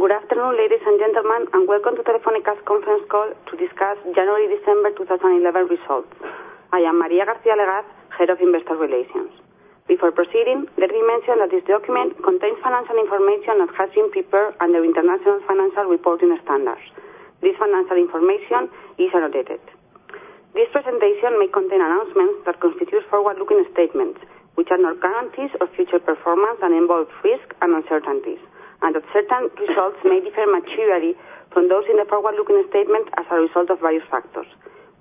Good afternoon, ladies and gentlemen, and welcome to Telefónica's Conference Call to discuss January-December 2011 Results. I am María García-Legaz, Head of Investor Relations. Before proceeding, let me mention that this document contains financial information that has been prepared under International Financial Reporting Standards. This financial information is annotated. This presentation may contain announcements that constitute forward-looking statements, which are not guarantees of future performance and involve risks and uncertainties, and that certain results may differ materially from those in the forward-looking statements as a result of various factors.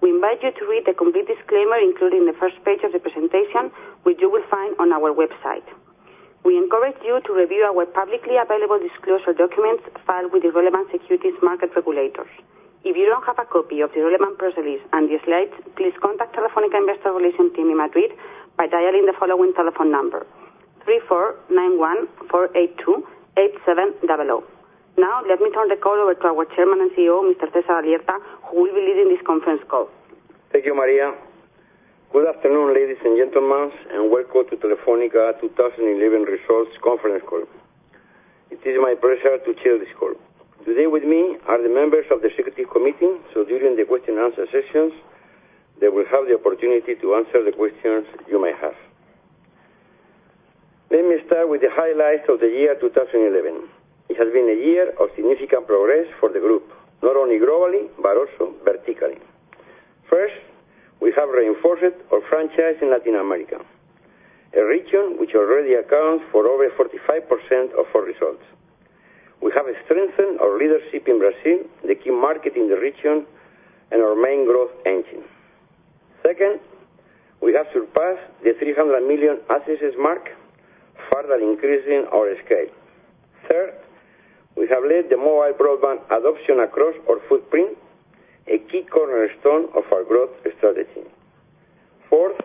We invite you to read the complete disclaimer, including the first page of the presentation, which you will find on our website. We encourage you to review our publicly available disclosure documents filed with the relevant securities market regulators. If you don't have a copy of the relevant press release and the slides, please contact Telefónica Investor Relations team in Madrid by dialing the following telephone number: 34 91 482 8700. Now, let me turn the call over to our Chairman and CEO, Mr. César Alierta, who will be leading this conference call. Thank you, María. Good afternoon, ladies and gentlemen, and welcome to Telefónica's 2011 Results Conference Call. It is my pleasure to chair this call. Today, with me are the members of the Executive Committee, so during the question and answer sessions, they will have the opportunity to answer the questions you may have. Let me start with the highlights of the year 2011. It has been a year of significant progress for the group, not only globally but also vertically. First, we have reinforced our franchise in Latin America, a region which already accounts for over 45% of our results. We have strengthened our leadership in Brazil, the key market in the region and our main growth engine. Second, we have surpassed the 300 million acquisition mark, further increasing our scale. Third, we have led the mobile broadband adoption across our footprint, a key cornerstone of our growth strategy. Fourth,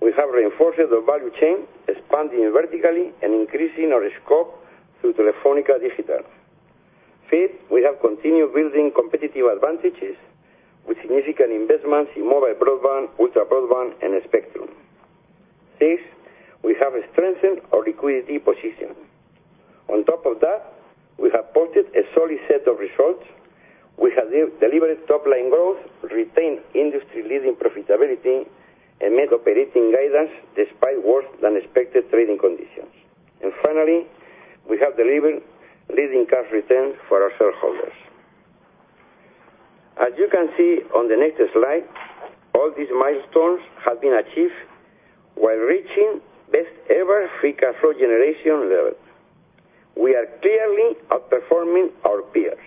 we have reinforced the value chain, expanding vertically and increasing our scope through Telefónica Digital. Fifth, we have continued building competitive advantages with significant investments in mobile broadband, ultra-broadband, and spectrum. Sixth, we have strengthened our liquidity position. On top of that, we have ported a solid set of results. We have delivered top-line growth, retained industry-leading profitability, and met operating guidance despite worse than expected trading conditions. Finally, we have delivered leading cash returns for our shareholders. As you can see on the next slide, all these milestones have been achieved while reaching the best-ever free cash flow generation level. We are clearly outperforming our peers.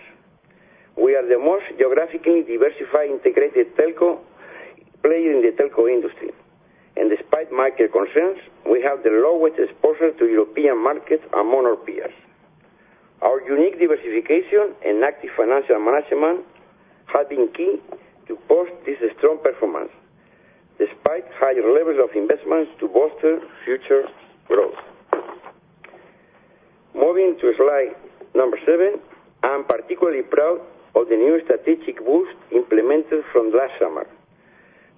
We are the most geographically diversified integrated telco player in the telco industry. Despite market concerns, we have the lowest exposure to European markets among our peers. Our unique diversification and active financial management have been key to boost this strong performance, despite higher levels of investments to bolster future growth. Moving to slide number seven, I am particularly proud of the new strategic boost implemented from last summer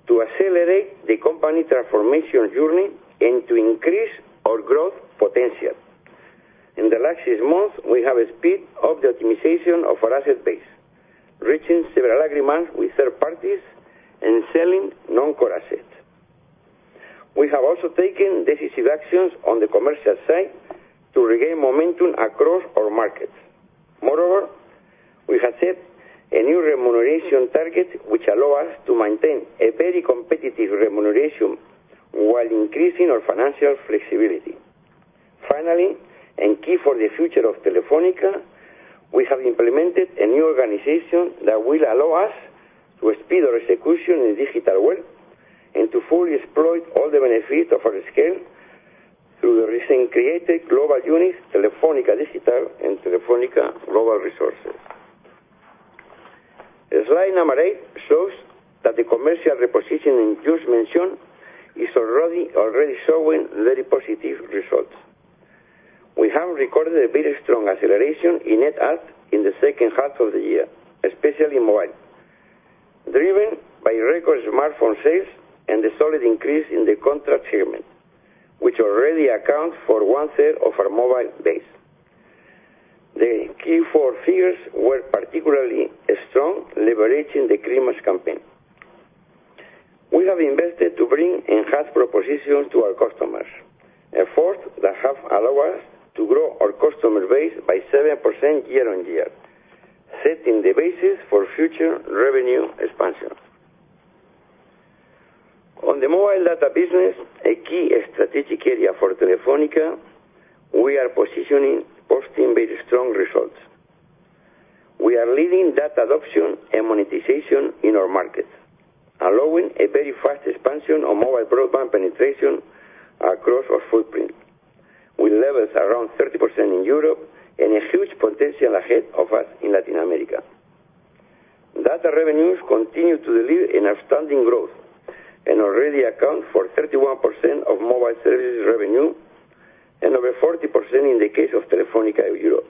to accelerate the company's transformation journey and to increase our growth potential. In the last six months, we have speeded up the optimization of our asset base, reaching several agreements with third parties and selling non-core assets. We have also taken decisive actions on the commercial side to regain momentum across our markets. Moreover, we have set a new remuneration target which allows us to maintain a very competitive remuneration while increasing our financial flexibility. Finally, and key for the future of Telefónica, we have implemented a new organization that will allow us to speed our execution in the digital world and to fully exploit all the benefits of our scale through the recently created global unit Telefónica Digital and Telefónica Global Resources. Slide number eight shows that the commercial repositioning just mentioned is already showing very positive results. We have recorded a very strong acceleration in net add in the second half of the year, especially mobile, driven by record smartphone sales and the solid increase in the contract shipment, which already accounts for one-third of our mobile base. The key four figures were particularly strong, leveraging the Christmas campaign. We have invested to bring enhanced propositions to our customers, efforts that have allowed us to grow our customer base by 7% year-on-year, setting the basis for future revenue expansion. On the mobile data business, a key strategic area for Telefónica, we are positioning, posting very strong results. We are leading data adoption and monetization in our market, allowing a very fast expansion of mobile broadband penetration across our footprint, with levels around 30% in Europe and a huge potential ahead of us in Latin America. Data revenues continue to deliver an outstanding growth and already account for 31% of mobile service revenue and over 40% in the case of Telefónica Europe.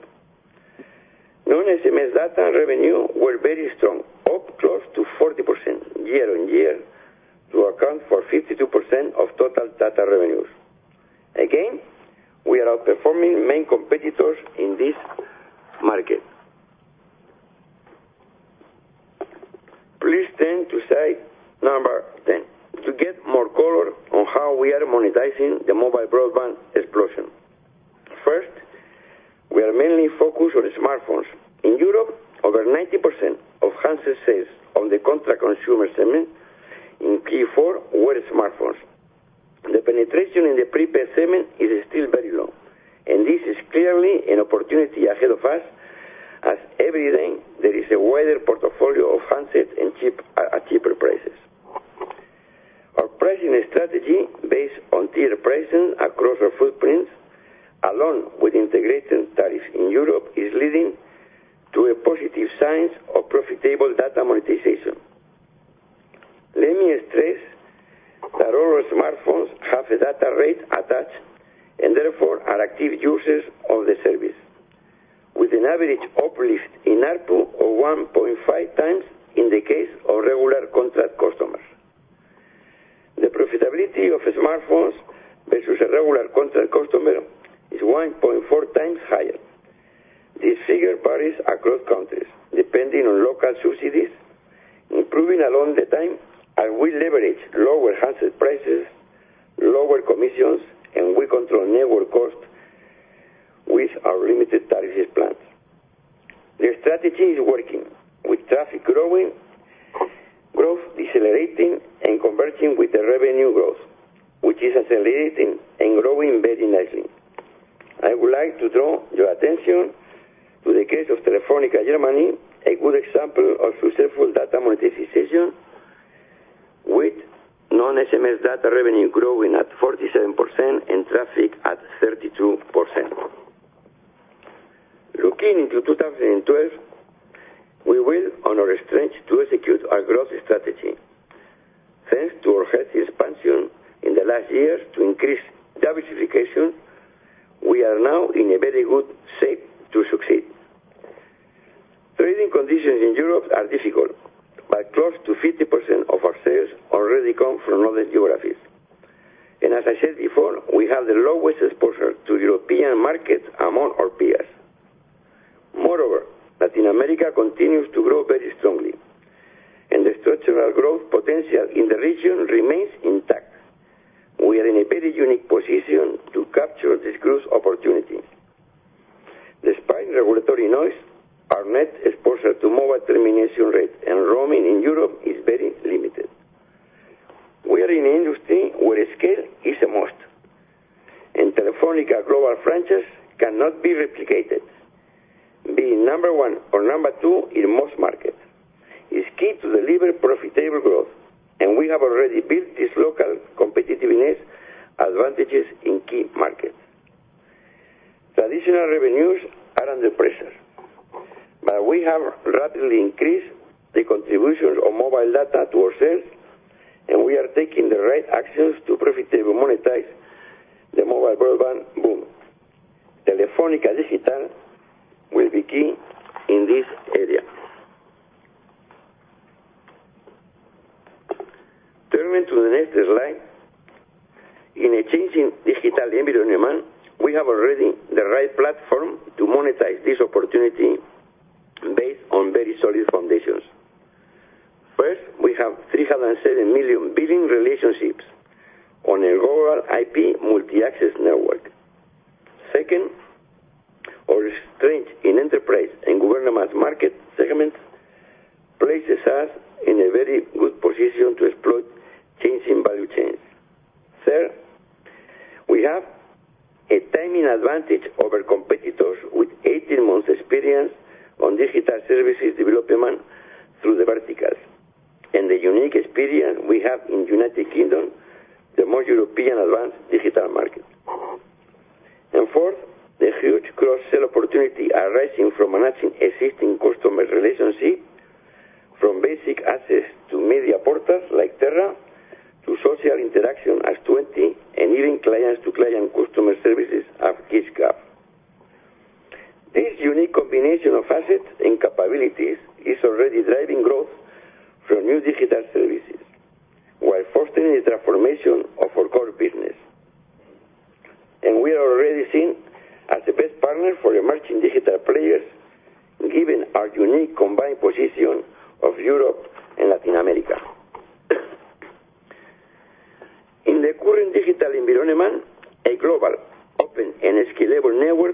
Non-SMS data revenues were very strong, up close to 40% year-on-year to account for 52% of total data revenues. Again, we are outperforming main competitors in this market. Please turn to slide number 10 to get more color on how we are monetizing the mobile broadband explosion. First, we are mainly focused on smartphones. In Europe, over 90% of handset sales on the contract consumer segment in Q4 were smartphones. The penetration in the prepaid segment is still very low, and this is clearly an opportunity ahead of us as every day there is a wider portfolio of handsets at cheaper prices. Our pricing strategy, based on tiered pricing across our footprints, along with integrated tariffs in Europe, is leading to positive signs of profitable data monetization. Let me stress that all our smartphones have a data rate attached, and therefore are active users of the service, with an average uplift in ARPU of 1.5x in the case of regular contract customers. The profitability of smartphones versus a regular contract customer is 1.4x higher. This figure varies across countries, depending on local subsidies, improving along the time as we leverage lower handset prices, lower commissions, and we control network costs with our limited tariffs plan. The strategy is working, with traffic growing, growth decelerating, and converging with the revenue growth, which is accelerating and growing very nicely. I would like to draw your attention to the case of Telefónica Germany, a good example of successful data monetization with non-SMS data revenue growing at 47% and traffic at 32%. Looking into 2012, we will on our strength to execute our growth strategy. Thanks to our healthy expansion in the last year to increase diversification, we are now in a very good shape to succeed. Trading conditions in Europe are difficult, but close to 50% of our sales already come from other geographies. As I said before, we have the lowest exposure to European markets among our peers. Moreover, Latin America continues to grow very strongly, and the structural growth potential in the region remains intact. We are in a very unique position to capture this growth opportunity. Despite regulatory noise, our net exposure to mobile termination rate and roaming in Europe is very limited. We are in an industry where scale is a must, and Telefónica global franchise cannot be replicated. Being number one or number two in most markets is key to deliver profitable growth, and we have already built this local competitiveness advantages in key markets. Traditional revenues are under pressure, but we have rapidly increased the contribution of mobile data to our sales, and we are taking the right actions to profitably monetize the mobile broadband boom. Telefónica Digital will be key in this area. Turning to the next slide, in a changing digital environment, we have already the right platform to monetize this opportunity based on very solid foundations. First, we have 307 million billing relationships on a global IP multi-access network. Second, our strength in enterprise and government market segment places us in a very good position to exploit changing value chains. Third, we have a timing advantage over competitors with 18 months experience on digital services development through the verticals and the unique experience we have in the U.K., the more European advanced digital market. Fourth, the huge cross-sell opportunity arises from managing existing customer relationships, from basic assets to media portals like Terra to social interaction S20 and even client-to-client customer services as [Kiskaf]. This unique combination of assets and capabilities is already driving growth for new digital services while fostering the transformation for our business. We are already seen as a best partner for emerging digital players, given our unique combined position of Europe and Latin America. In the current digital environment, a global, open, and scalable network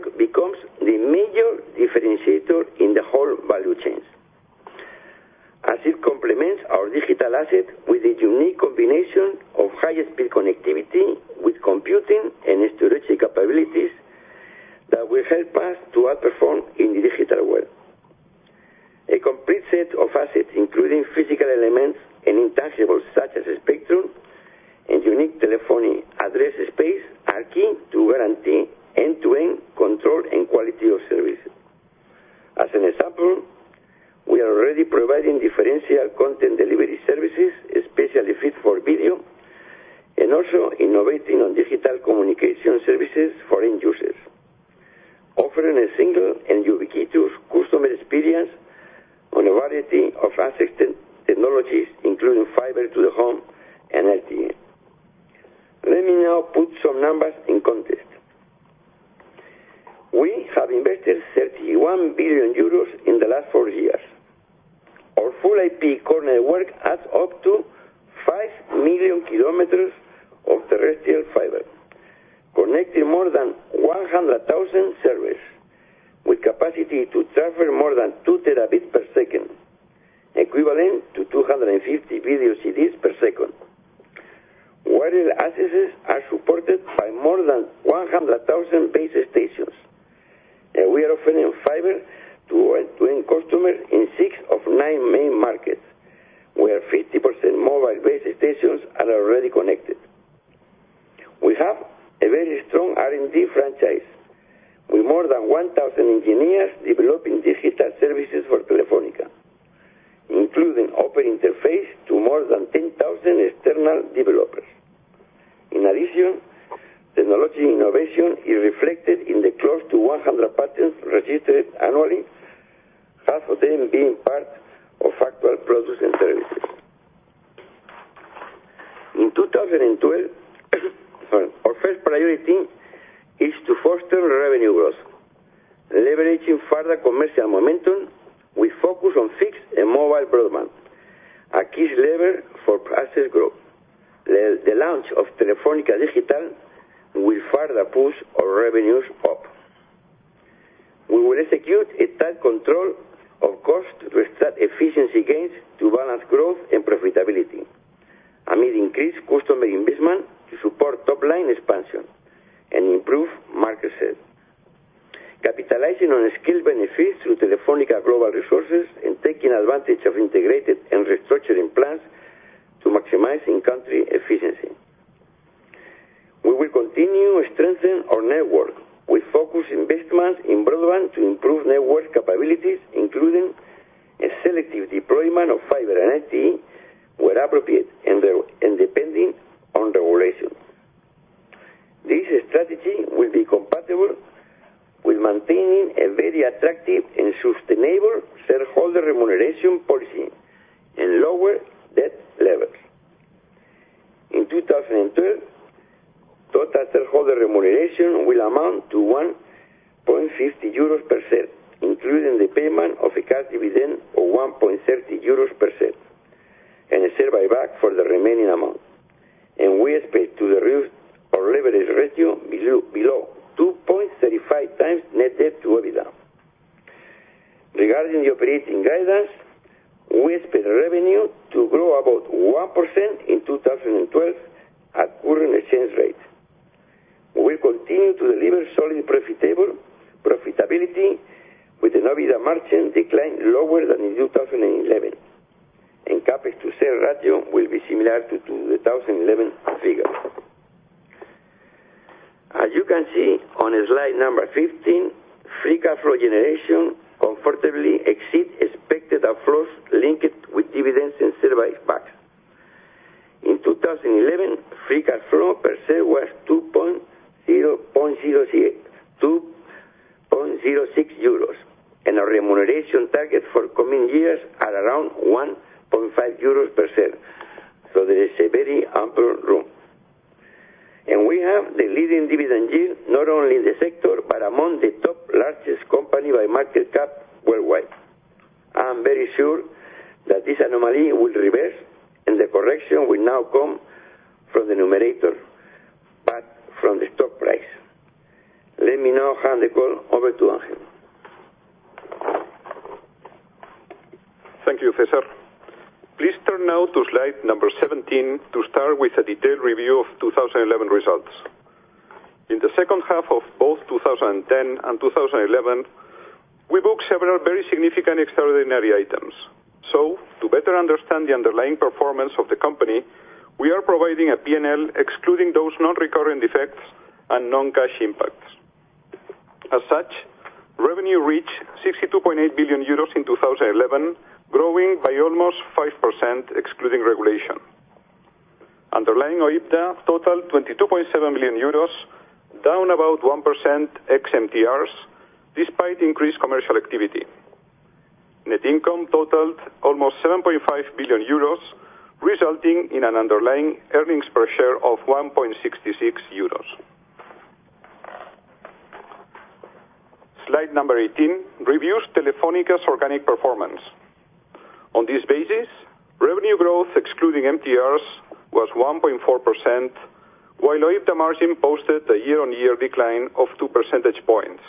while EBITDA margin posted a year-on-year decline of 2 percentage points.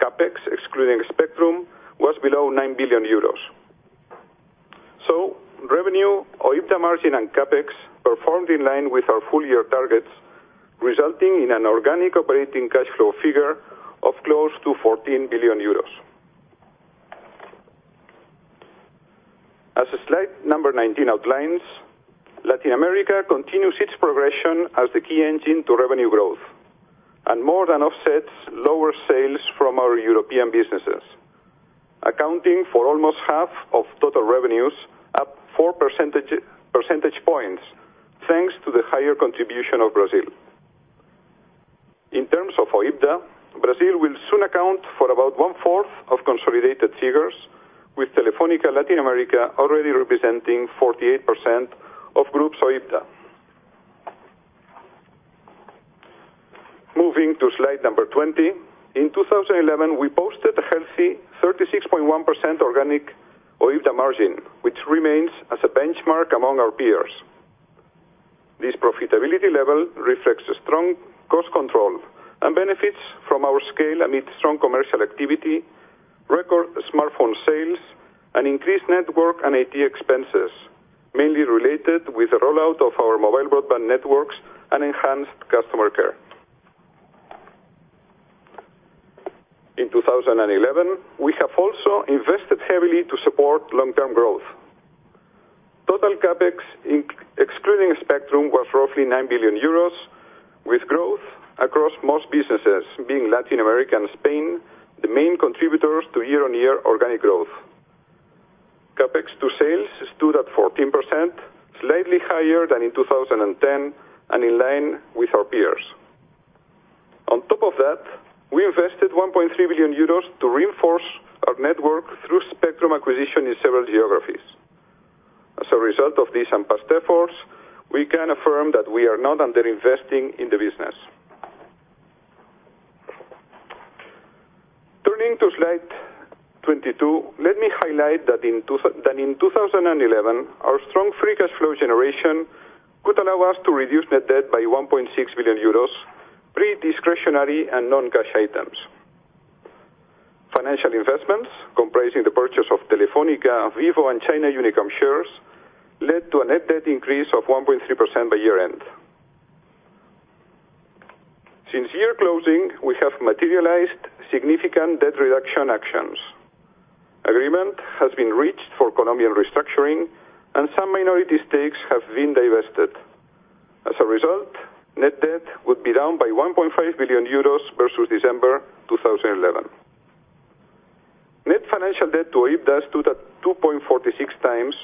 CapEx excluding spectrum was below 9 billion euros. Revenue, EBITDA margin, and CapEx performed in line with our full-year targets, resulting in an organic operating cash flow figure of close to 14 billion euros. As slide number 19 outlines, Latin America continues its progression as the key engine to revenue growth and more than offsets lower sales from our European businesses, accounting for almost half of total revenues, up 4 percentage points thanks to the higher contribution of Brazil. In terms of EBITDA, Brazil will soon account for about one-fourth of consolidated figures, with Telefónica Latin America already representing 48% of group's EBITDA. Moving to slide number 20, in 2011, we posted a healthy 36.1% organic EBITDA margin, which remains as a benchmark among our peers. This profitability level reflects strong cost control and benefits from our scale amid strong commercial activity, record smartphone sales, and increased network and IT expenses, mainly related with the rollout of our mobile broadband networks and enhanced customer care. In 2011, we have also invested heavily to support long-term growth. Total CapEx excluding spectrum was roughly 9 billion euros, with growth across most businesses, being Latin America and Spain the main contributors to year-on-year organic growth. CapEx to sales stood at 14%, slightly higher than in 2010 and in line with our peers. On top of that, we invested 1.3 billion euros to reinforce our network through spectrum acquisition in several geographies. As a result of these and past efforts, we can affirm that we are not underinvesting in the business. Turning to slide 22, let me highlight that in 2011, our strong free cash flow generation could allow us to reduce net debt by 1.6 billion euros, pre-discretionary and non-cash items. Financial investments comprising the purchase of Telefónica, Vivo, and China Unicom shares led to a net debt increase of 1.3% by year-end. Since year closing, we have materialized significant debt reduction actions. Agreement has been reached for economic restructuring, and some minority stakes have been divested. As a result, net debt would be down by 1.5 billion euros versus December 2011. Net financial debt to EBITDA stood at 2.46x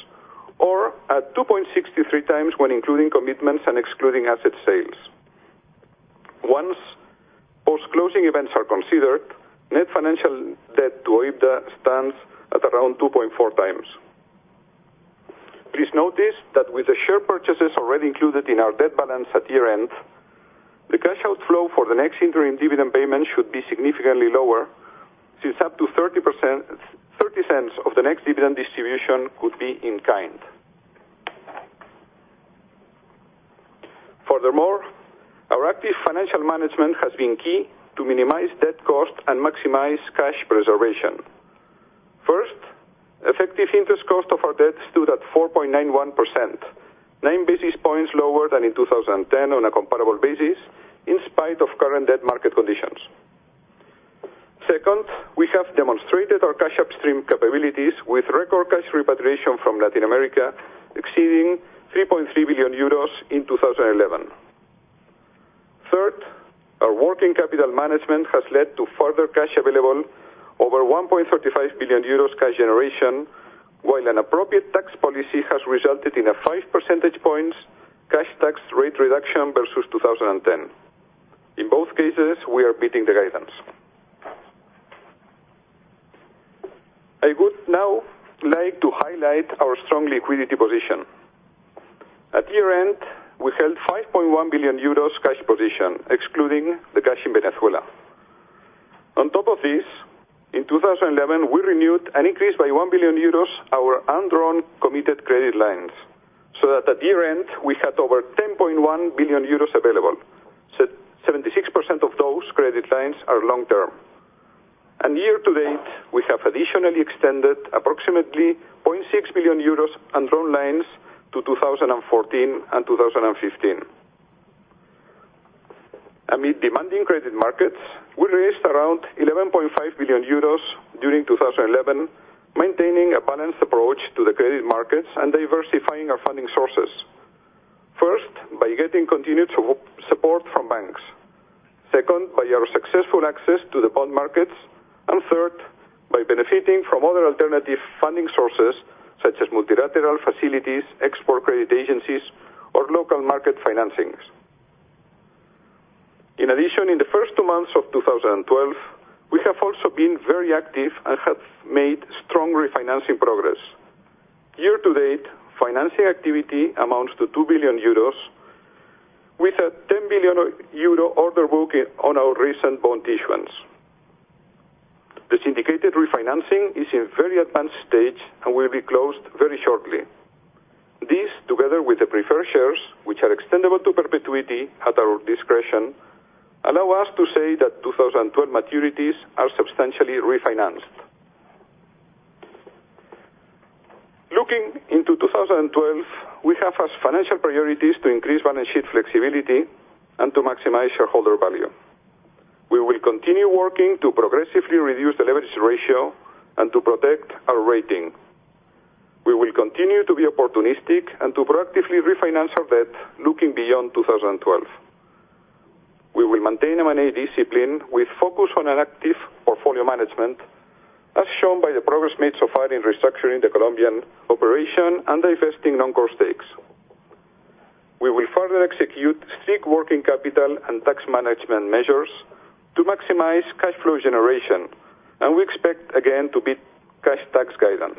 or at 2.63x when including commitments and excluding asset sales. Once post-closing events are considered, net financial debt to EBITDA stands at around 2.4x. Please notice that with the share purchases already included in our debt balance at year-end, the cash outflow for the next interim dividend payment should be significantly lower, since up to 30% of the next dividend distribution could be in kind. Furthermore, our active financial management has been key to minimize debt cost and maximize cash preservation. First, effective interest cost of our debt stood at 4.91%, nine basis points lower than in 2010 on a comparable basis in spite of current debt market conditions. Second, we have demonstrated our cash upstream capabilities with record cash repatriation from Latin America exceeding 3.3 billion euros in 2011. Third, our working capital management has led to further cash available, over 1.35 billion euros cash generation, while an appropriate tax policy has resulted in a 5% cash tax rate reduction versus 2010. In both cases, we are meeting the guidance. I would now like to highlight our strong liquidity position. At year-end, we held 5.1 billion euros cash position, excluding the cash in Venezuela. On top of this, in 2011, we renewed and increased by 1 billion euros our undrawn committed credit lines so that at year-end we had over 10.1 billion euros available, with 76% of those credit lines being long term. Year to date, we have additionally extended approximately 0.6 billion euros undrawn lines to 2014 and 2015. Amid demanding credit markets, we raised around 11.5 billion euros during 2011, maintaining a balanced approach to the credit markets and diversifying our funding sources, first by getting continued support from banks, second by our successful access to the bond markets, and third by benefiting from other alternative funding sources such as multilateral facilities, export credit agencies, or local market financings. In addition, in the first two months of 2012, we have also been very active and have made strong refinancing progress. Year to date, financing activity amounts to 2 billion euros, with a 10 billion euro order book on our recent bond issuance. The syndicated refinancing is in a very advanced stage and will be closed very shortly. This, together with the preferred shares, which are extendable to perpetuity at our discretion, allow us to say that 2012 maturities are substantially refinanced. Looking into 2012, we have as financial priorities to increase balance sheet flexibility and to maximize shareholder value. We will continue working to progressively reduce the leverage ratio and to protect our rating. We will continue to be opportunistic and to proactively refinance our debt, looking beyond 2012. We will maintain M&A discipline with focus on an active portfolio management, as shown by the progress made so far in restructuring the Colombian operation and divesting non-core stakes. We will further execute strict working capital and tax management measures to maximize cash flow generation, and we expect again to beat cash tax guidance.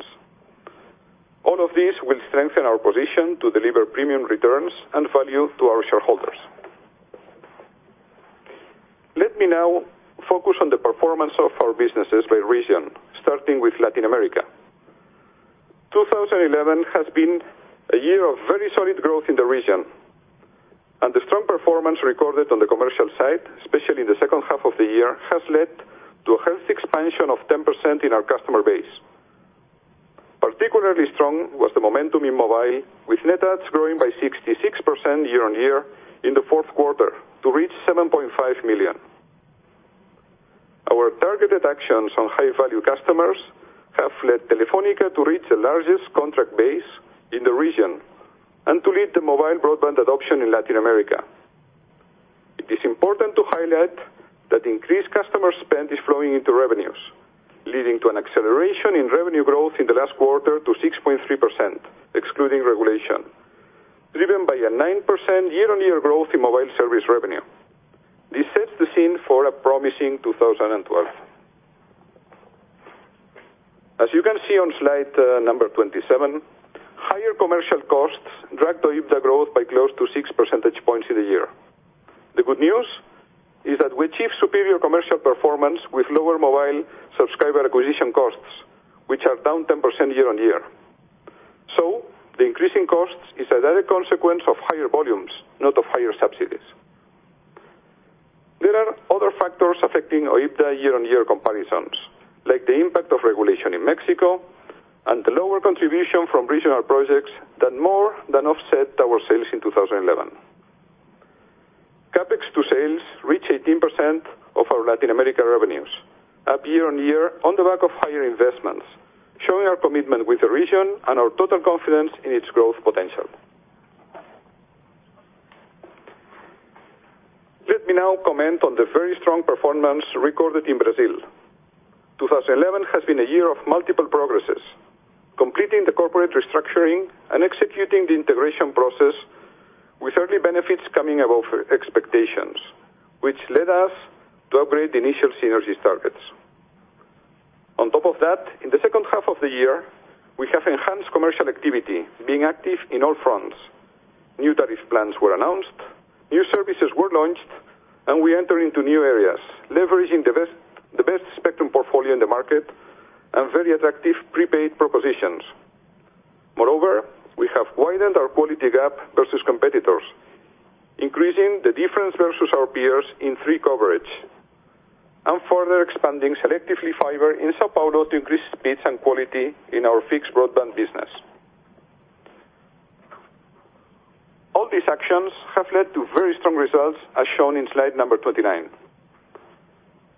All of this will strengthen our position to deliver premium returns and value to our shareholders. Let me now focus on the performance of our businesses by region, starting with Latin America. 2011 has been a year of very solid growth in the region, and the strong performance recorded on the commercial side, especially in the second half of the year, has led to a healthy expansion of 10% in our customer base. Particularly strong was the momentum in mobile, with net adds growing by 66% year-on-year in the fourth quarter to reach 7.5 million. Our targeted actions on high-value customers have led Telefónica to reach the largest contract base in the region and to lead the mobile broadband adoption in Latin America. It is important to highlight that increased customer spend is flowing into revenues, leading to an acceleration in revenue growth in the last quarter to 6.3%, excluding regulation, driven by a 9% year-on-year growth in mobile service revenue. This sets the scene for a promising 2012. As you can see on slide number 27, higher commercial costs dragged EBITDA growth by close to 6 percentage points in the year. The good news is that we achieved superior commercial performance with lower mobile subscriber acquisition costs, which are down 10% year-on-year. The increasing costs are a direct consequence of higher volumes, not of higher subsidies. There are other factors affecting EBITDA year-on-year comparisons, like the impact of regulation in Mexico and the lower contribution from regional projects that more than offset our sales in 2011. CapEx to sales reached 18% of our Latin American revenues, up year-on-year on the back of higher investments, showing our commitment with the region and our total confidence in its growth potential. Let me now comment on the very strong performance recorded in Brazil. 2011 has been a year of multiple progresses, completing the corporate restructuring and executing the integration process with early benefits coming above expectations, which led us to upgrade the initial synergy targets. On top of that, in the second half of the year, we have enhanced commercial activity, being active in all fronts. New tariff plans were announced, new services were launched, and we entered into new areas, leveraging the best spectrum portfolio in the market and very attractive prepaid propositions. Moreover, we have widened our quality gap versus competitors, increasing the difference versus our peers in free coverage, and further expanding selectively fiber in São Paulo to increase speeds and quality in our fixed broadband business. All these actions have led to very strong results, as shown in slide number 29.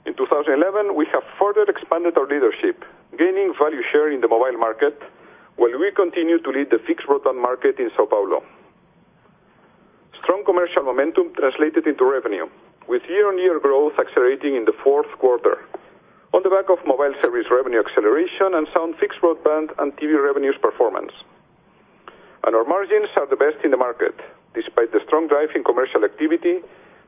In 2011, we have further expanded our leadership, gaining value share in the mobile market while we continue to lead the fixed broadband market in São Paulo. Strong commercial momentum translated into revenue, with year-on-year growth accelerating in the fourth quarter on the back of mobile service revenue acceleration and sound fixed broadband and TV revenues performance. Our margins are the best in the market, despite the strong drive in commercial activity,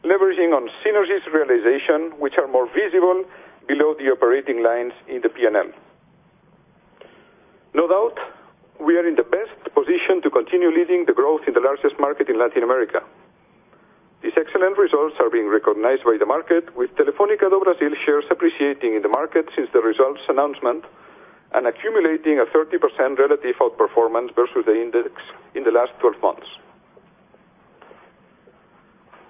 leveraging on synergies realization, which are more visible below the operating lines in the P&L. No doubt, we are in the best position to continue leading the growth in the largest market in Latin America. These excellent results are being recognized by the market, with Telefónica do Brasil shares appreciating in the market since the results announcement and accumulating a 30% relative outperformance versus the index in the last 12 months.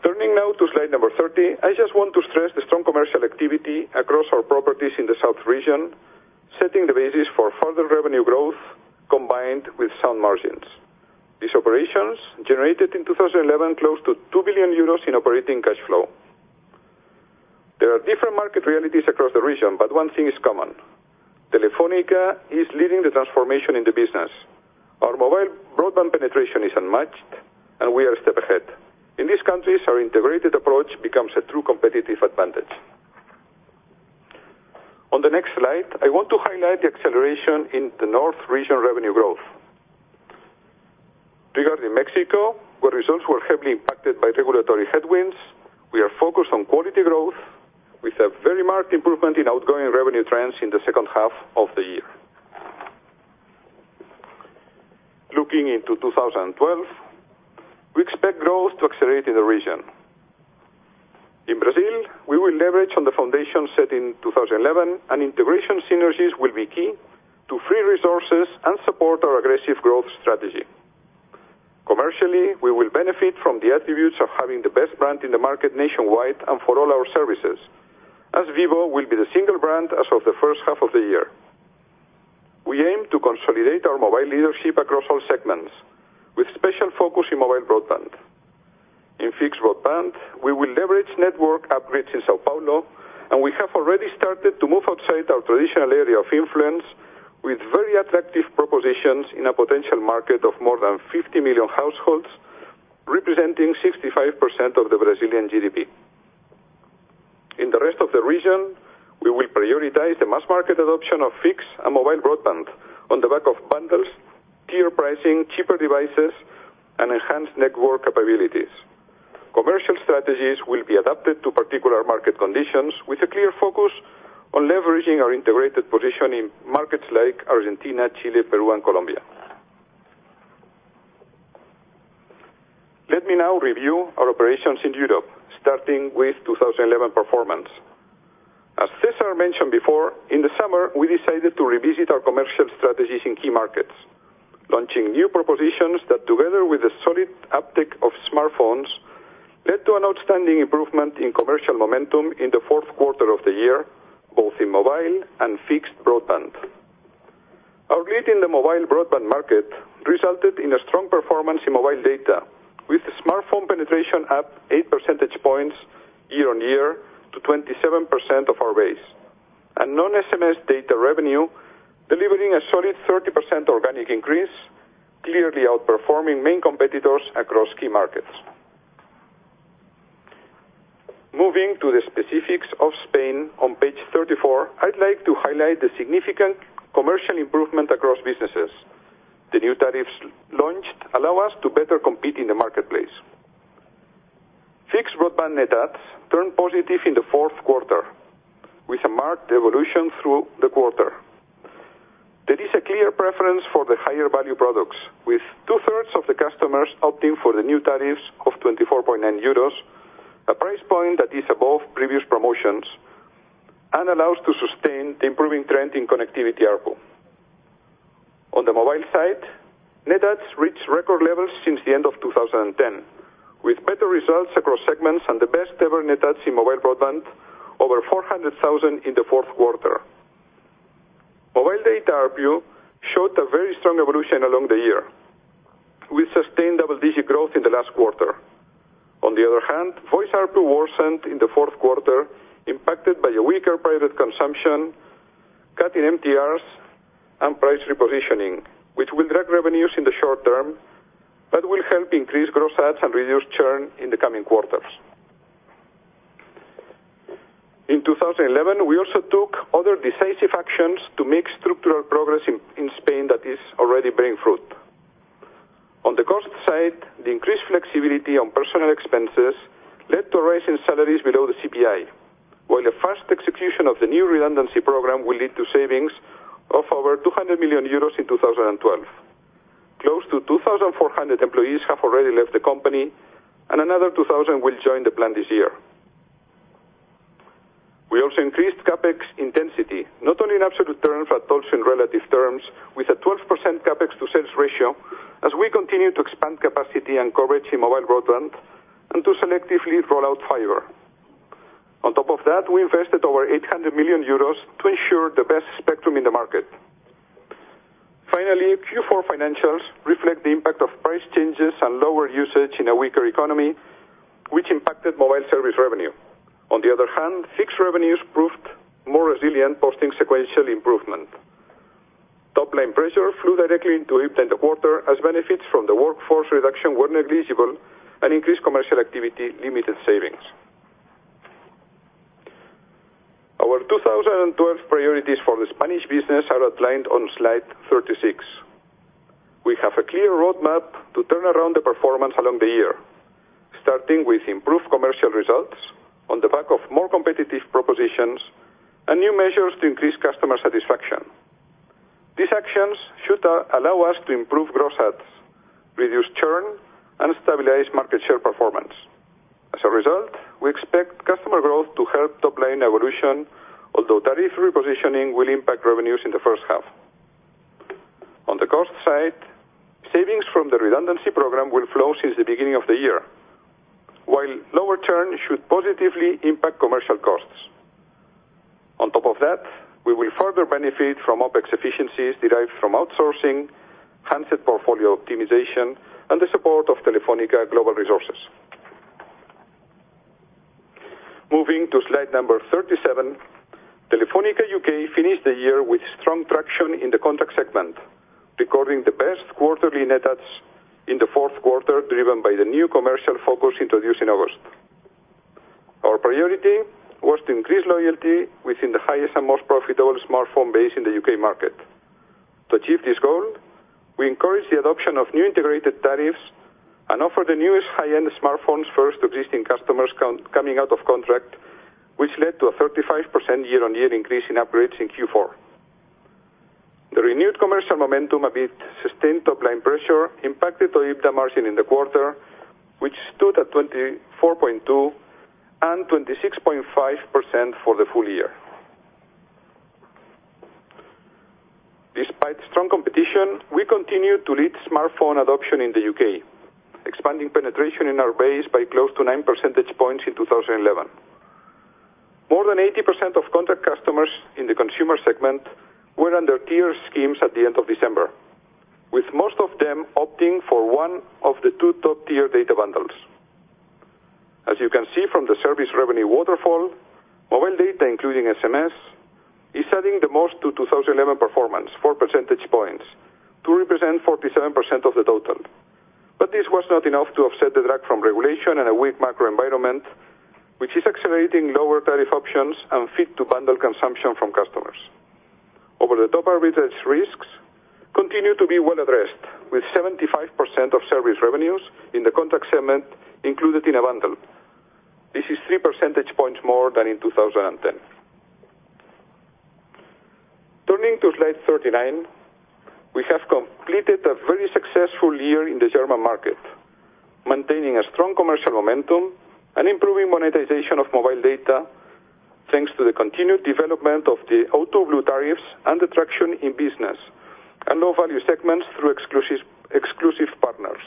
Turning now to slide number 30, I just want to stress the strong commercial activity across our properties in the south region, setting the basis for further revenue growth combined with sound margins. These operations generated in 2011 close to 2 billion euros in operating cash flow. There are different market realities across the region, but one thing is common: Telefónica is leading the transformation in the business. Our mobile broadband penetration is unmatched, and we are a step ahead. In these countries, our integrated approach becomes a true competitive advantage. On the next slide, I want to highlight the acceleration in the north region revenue growth. Regarding Mexico, where results were heavily impacted by regulatory headwinds, we are focused on quality growth with a very marked improvement in outgoing revenue trends in the second half of the year. Looking into 2012, we expect growth to accelerate in the region. In Brazil, we will leverage on the foundation set in 2011, and integration synergies will be key to free resources and support our aggressive growth strategy. Commercially, we will benefit from the attributes of having the best brand in the market nationwide and for all our services, as Vivo will be the single brand as of the first half of the year. We aim to consolidate our mobile leadership across all segments, with special focus in mobile broadband. In fixed broadband, we will leverage network upgrades in São Paulo, and we have already started to move outside our traditional area of influence with very attractive propositions in a potential market of more than 50 million households, representing 65% of the Brazilian GDP. In the rest of the region, we will prioritize the mass market adoption of fixed and mobile broadband on the back of bundles, tier pricing, cheaper devices, and enhanced network capabilities. Commercial strategies will be adapted to particular market conditions with a clear focus on leveraging our integrated position in markets like Argentina, Chile, Peru, and Colombia. Let me now review our operations in Europe, starting with 2011 performance. As César mentioned before, in the summer, we decided to revisit our commercial strategies in key markets, launching new propositions that, together with a solid uptake of smartphones, led to an outstanding improvement in commercial momentum in the fourth quarter of the year, both in mobile and fixed broadband. Our lead in the mobile broadband market resulted in a strong performance in mobile data, with smartphone penetration up 8% year-on-year to 27% of our base, and non-SMS data revenue delivering a solid 30% organic increase, clearly outperforming main competitors across key markets. Moving to the specifics of Spain on page 34, I'd like to highlight the significant commercial improvement across businesses. The new tariffs launched allow us to better compete in the marketplace. Fixed broadband net adds turned positive in the fourth quarter, with a marked evolution through the quarter. There is a clear preference for the higher-value products, with two-thirds of the customers opting for the new tariffs of 24.9 euros, a price point that is above previous promotions and allows to sustain the improving trend in connectivity ARPU. On the mobile side, net adds reached record levels since the end of 2010, with better results across segments and the best ever net adds in mobile broadband, over 400,000 in the fourth quarter. Mobile data ARPU showed a very strong evolution along the year, with sustained double-digit growth in the last quarter. On the other hand, voice ARPU worsened in the fourth quarter, impacted by a weaker private consumption, cut in MTRs, and price repositioning, which will drag revenues in the short term but will help increase gross adds and reduce churn in the coming quarters. In 2011, we also took other decisive actions to make structural progress in Spain that is already bearing fruit. On the cost side, the increased flexibility on personal expenses led to a rise in salaries below the CPI, while a fast execution of the new redundancy program will lead to savings of over 200 million euros in 2012. Close to 2,400 employees have already left the company, and another 2,000 will join the plan this year. We also increased CapEx intensity, not only in absolute terms but also in relative terms, with a 12% CapEx to sales ratio as we continue to expand capacity and coverage in mobile broadband and to selectively roll out fiber. On top of that, we invested over 800 million euros to ensure the best spectrum in the market. Finally, Q4 financials reflect the impact of price changes and lower usage in a weaker economy, which impacted mobile service revenue. On the other hand, fixed revenues proved more resilient, posting sequential improvement. Top-line pressure flew directly into EBITDA in the quarter as benefits from the workforce reduction were negligible and increased commercial activity limited savings. Our 2012 priorities for the Spanish business are outlined on slide 36. We have a clear roadmap to turn around the performance along the year, starting with improved commercial results on the back of more competitive propositions and new measures to increase customer satisfaction. These actions should allow us to improve gross adds, reduce churn, and stabilize market share performance. As a result, we expect customer growth to help top-line evolution, although tariff repositioning will impact revenues in the first half. On the cost side, savings from the redundancy program will flow since the beginning of the year, while lower churn should positively impact commercial costs. On top of that, we will further benefit from OpEx efficiencies derived from outsourcing, handset portfolio optimization, and the support of Telefónica Global Resources. Moving to slide number 37, Telefónica U.K. finished the year with strong traction in the contract segment, recording the best quarterly net adds in the fourth quarter, driven by the new commercial focus introduced in August. Our priority was to increase loyalty within the highest and most profitable smartphone base in the U.K. market. To achieve this goal, we encouraged the adoption of new integrated tariffs and offered the newest high-end smartphones first to existing customers coming out of contract, which led to a 35% year-on-year increase in upgrades in Q4. The renewed commercial momentum amid sustained top-line pressure impacted EBITDA margin in the quarter, which stood at 24.2% and 26.5% for the full year. Despite strong competition, we continued to lead smartphone adoption in the U.K., expanding penetration in our base by close to 9 percentage points in 2011. More than 80% of contract customers in the consumer segment were under tiered schemes at the end of December, with most of them opting for one of the two top-tier data bundles. As you can see from the service revenue waterfall, mobile data, including SMS, is adding the most to 2011 performance, 4 percentage points, to represent 47% of the total. This was not enough to offset the drag from regulation and a weak macro environment, which is accelerating lower tariff options and fit-to-bundle consumption from customers. Over-the-top arbitrage risks continue to be well addressed, with 75% of service revenues in the contract segment included in a bundle. This is 3 percentage points more than in 2010. Turning to slide 39, we have completed a very successful year in the German market, maintaining a strong commercial momentum and improving monetization of mobile data thanks to the continued development of the Autoblu tariffs and the traction in business and low-value segments through exclusive partners.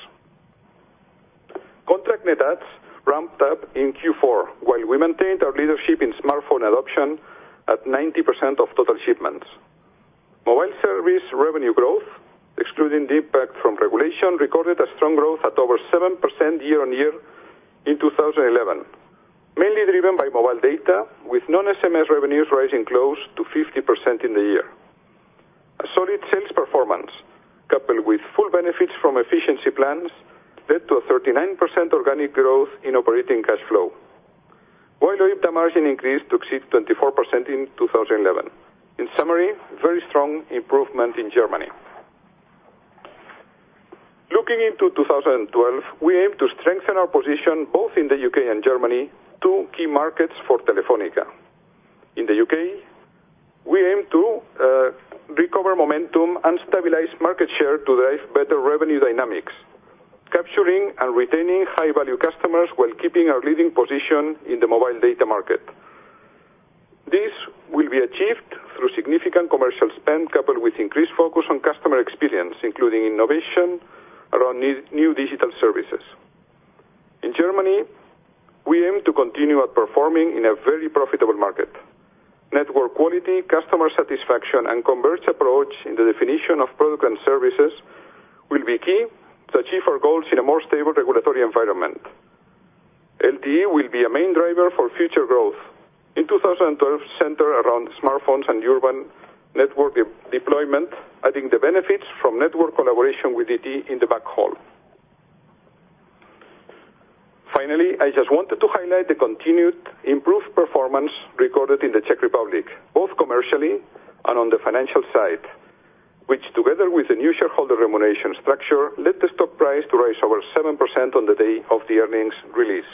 Contract net adds ramped up in Q4, while we maintained our leadership in smartphone adoption at 90% of total shipments. Mobile service revenue growth, excluding the impact from regulation, recorded a strong growth at over 7% year-on-year in 2011, mainly driven by mobile data, with non-SMS revenues rising close to 50% in the year. A solid sales performance, coupled with full benefits from efficiency plans, led to a 39% organic growth in operating cash flow, while EBITDA margin increased to exceed 24% in 2011. In summary, very strong improvement in Germany. Looking into 2012, we aim to strengthen our position both in the U.K. and Germany, two key markets for Telefónica. In the U.K., we aim to recover momentum and stabilize market share to drive better revenue dynamics, capturing and retaining high-value customers while keeping our leading position in the mobile data market. This will be achieved through significant commercial spend, coupled with increased focus on customer experience, including innovation around new digital services. In Germany, we aim to continue outperforming in a very profitable market. Network quality, customer satisfaction, and converged approach in the definition of product and services will be key to achieve our goals in a more stable regulatory environment. LTE will be a main driver for future growth. In 2012, centered around smartphones and urban network deployment, adding the benefits from network collaboration with ET in the back hall. Finally, I just wanted to highlight the continued improved performance recorded in the Czech Republic, both commercially and on the financial side, which, together with the new shareholder remuneration structure, led the stock price to rise over 7% on the day of the earnings release.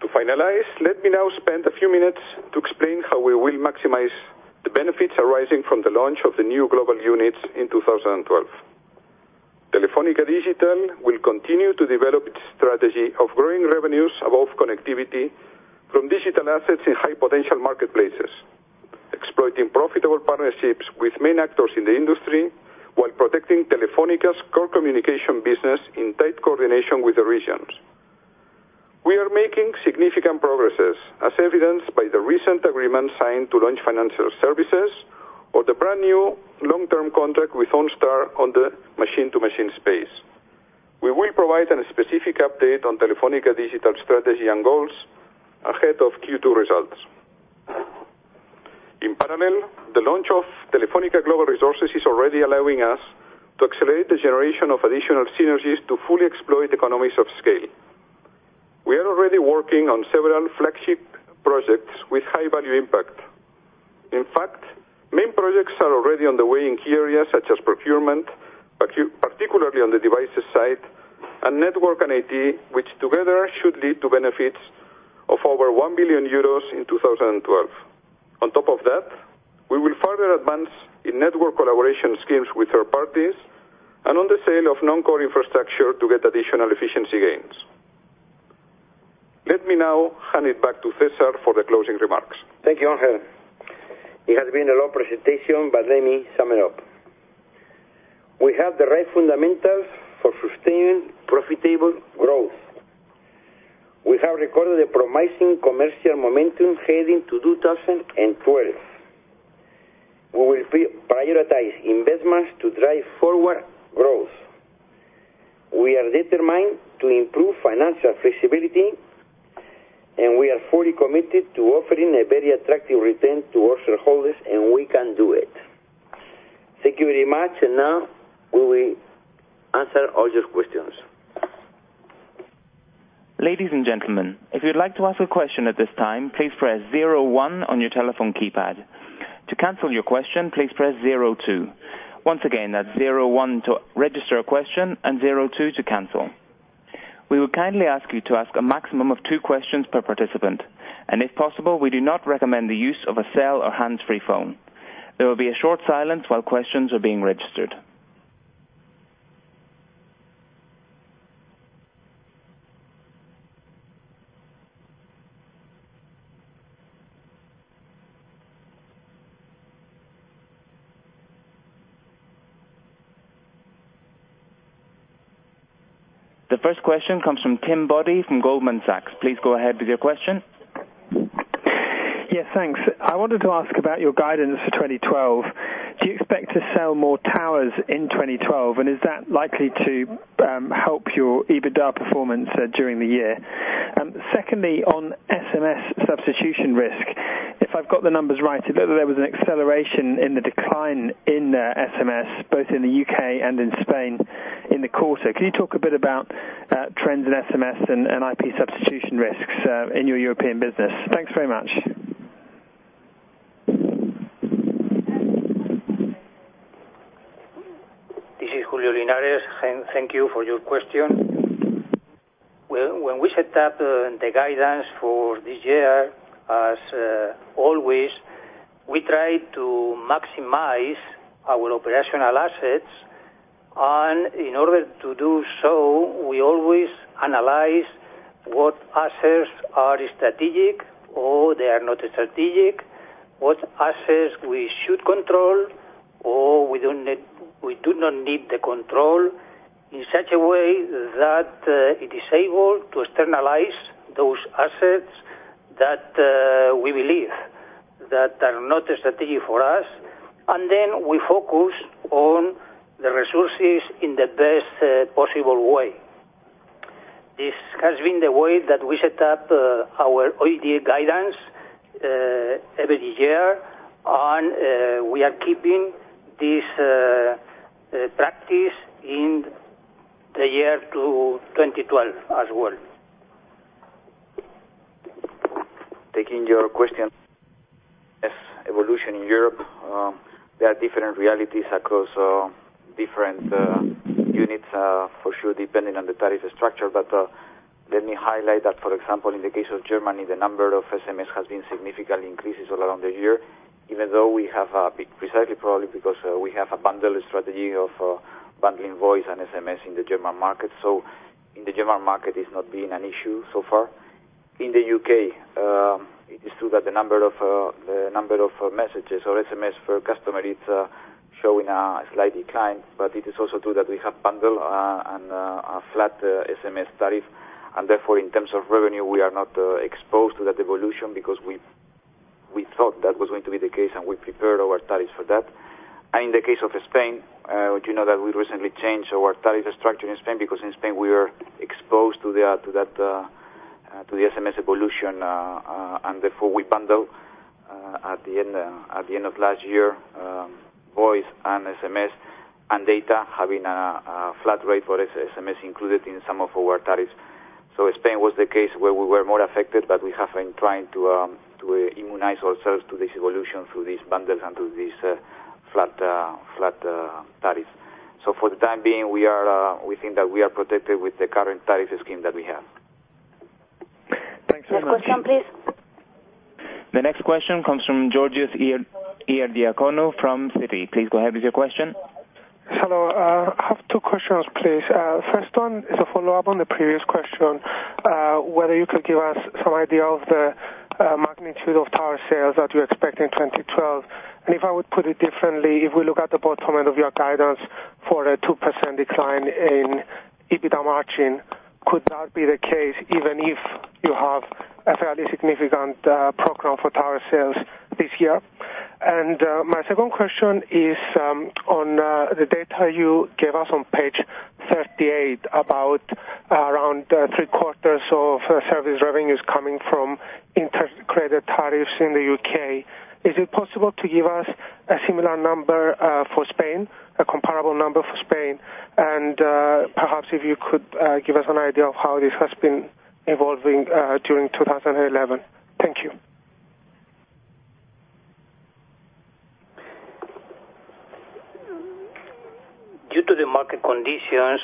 To finalize, let me now spend a few minutes to explain how we will maximize the benefits arising from the launch of the new global units in 2012. Telefónica Digital will continue to develop its strategy of growing revenues above connectivity from digital assets in high-potential marketplaces, exploiting profitable partnerships with main actors in the industry while protecting Telefónica's core communication business in tight coordination with the regions. We are making significant progress, as evidenced by the recent agreement signed to launch financial services or the brand new long-term contract with OnStar in the machine-to-machine space. We will provide a specific update on Telefónica Digital's strategy and goals ahead of Q2 results. In parallel, the launch of Telefónica Global Resources is already allowing us to accelerate the generation of additional synergies to fully exploit economies of scale. We are already working on several flagship projects with high-value impact. In fact, main projects are already underway in key areas such as procurement, particularly on the devices side, and network and IT, which together should lead to benefits of over 1 billion euros in 2012. On top of that, we will further advance in network collaboration schemes with third parties and on the sale of non-core infrastructure to get additional efficiency gains. Let me now hand it back to César for the closing remarks. Thank you, Ángel. It has been a long presentation, but let me sum it up. We have the right fundamentals for sustained profitable growth. We have recorded a promising commercial momentum heading to 2012. We will prioritize investments to drive forward growth. We are determined to improve financial feasibility, and we are fully committed to offering a very attractive return to our shareholders, and we can do it. Thank you very much, and now we will answer all your questions. Ladies and gentlemen, if you'd like to ask a question at this time, please press zero one on your telephone keypad. To cancel your question, please press zero two. Once again, that's zero one to register a question and zero two to cancel. We will kindly ask you to ask a maximum of two questions per participant, and if possible, we do not recommend the use of a cell or hands-free phone. There will be a short silence while questions are being registered. The first question comes from Tim Boddy from Goldman Sachs Group. Please go ahead with your question. Yes, thanks. I wanted to ask about your guidance for 2012. Do you expect to sell more towers in 2012, and is that likely to help your EBITDA performance during the year? Secondly, on SMS substitution risk, if I've got the numbers right, it looked like there was an acceleration in the decline in SMS, both in the U.K. and in Spain in the quarter. Can you talk a bit about trends in SMS and IP substitution risks in your European business? Thanks very much. This is Julio Lopez. Thank you for your question. When we set up the guidance for this year, as always, we try to maximize our operational assets, and in order to do so, we always analyze what assets are strategic or they are not strategic, what assets we should control or we do not need the control in such a way that it is able to externalize those assets that we believe that are not strategic for us, and then we focus on the resources in the best possible way. This has been the way that we set up our EBITDA guidance every year, and we are keeping this practice in the year 2012 as well. Taking your question, yes, evolution in Europe, there are different realities across different units, for sure, depending on the tariff structure. Let me highlight that, for example, in the case of Germany, the number of SMS has been significantly increasing all around the year, even though we have precisely probably because we have a bundle strategy of bundling voice and SMS in the German market. In the German market, it's not been an issue so far. In the U.K., it is true that the number of messages or SMS per customer is showing a slight decline, but it is also true that we have bundled and a flat SMS tariff, and therefore, in terms of revenue, we are not exposed to that evolution because we thought that was going to be the case and we prepared our tariffs for that. In the case of Spain, which you know that we recently changed our tariff structure in Spain because in Spain we were exposed to the SMS evolution, we bundled at the end of last year voice and SMS and data, having a flat rate for SMS included in some of our tariffs. Spain was the case where we were more affected, but we have been trying to immunize ourselves to this evolution through these bundles and through these flat tariffs. For the time being, we think that we are protected with the current tariff scheme that we have. Next question, please. The next question comes from Georgios Ierodiaconou from Citi. Please go ahead with your question. Hello. I have two questions, please. The first one is a follow-up on the previous question, whether you could give us some idea of the magnitude of tower sales that you expect in 2012. If I would put it differently, if we look at the bottom end of your guidance for a 2% decline in EBITDA margin, could that be the case even if you have a fairly significant program for tower sales this year? My second question is on the data you gave us on page 38 about around three-quarters of service revenues coming from integrated tariffs in the U.K.. Is it possible to give us a similar number for Spain, a comparable number for Spain, and perhaps if you could give us an idea of how this has been evolving during 2011? Thank you. Due to the market conditions,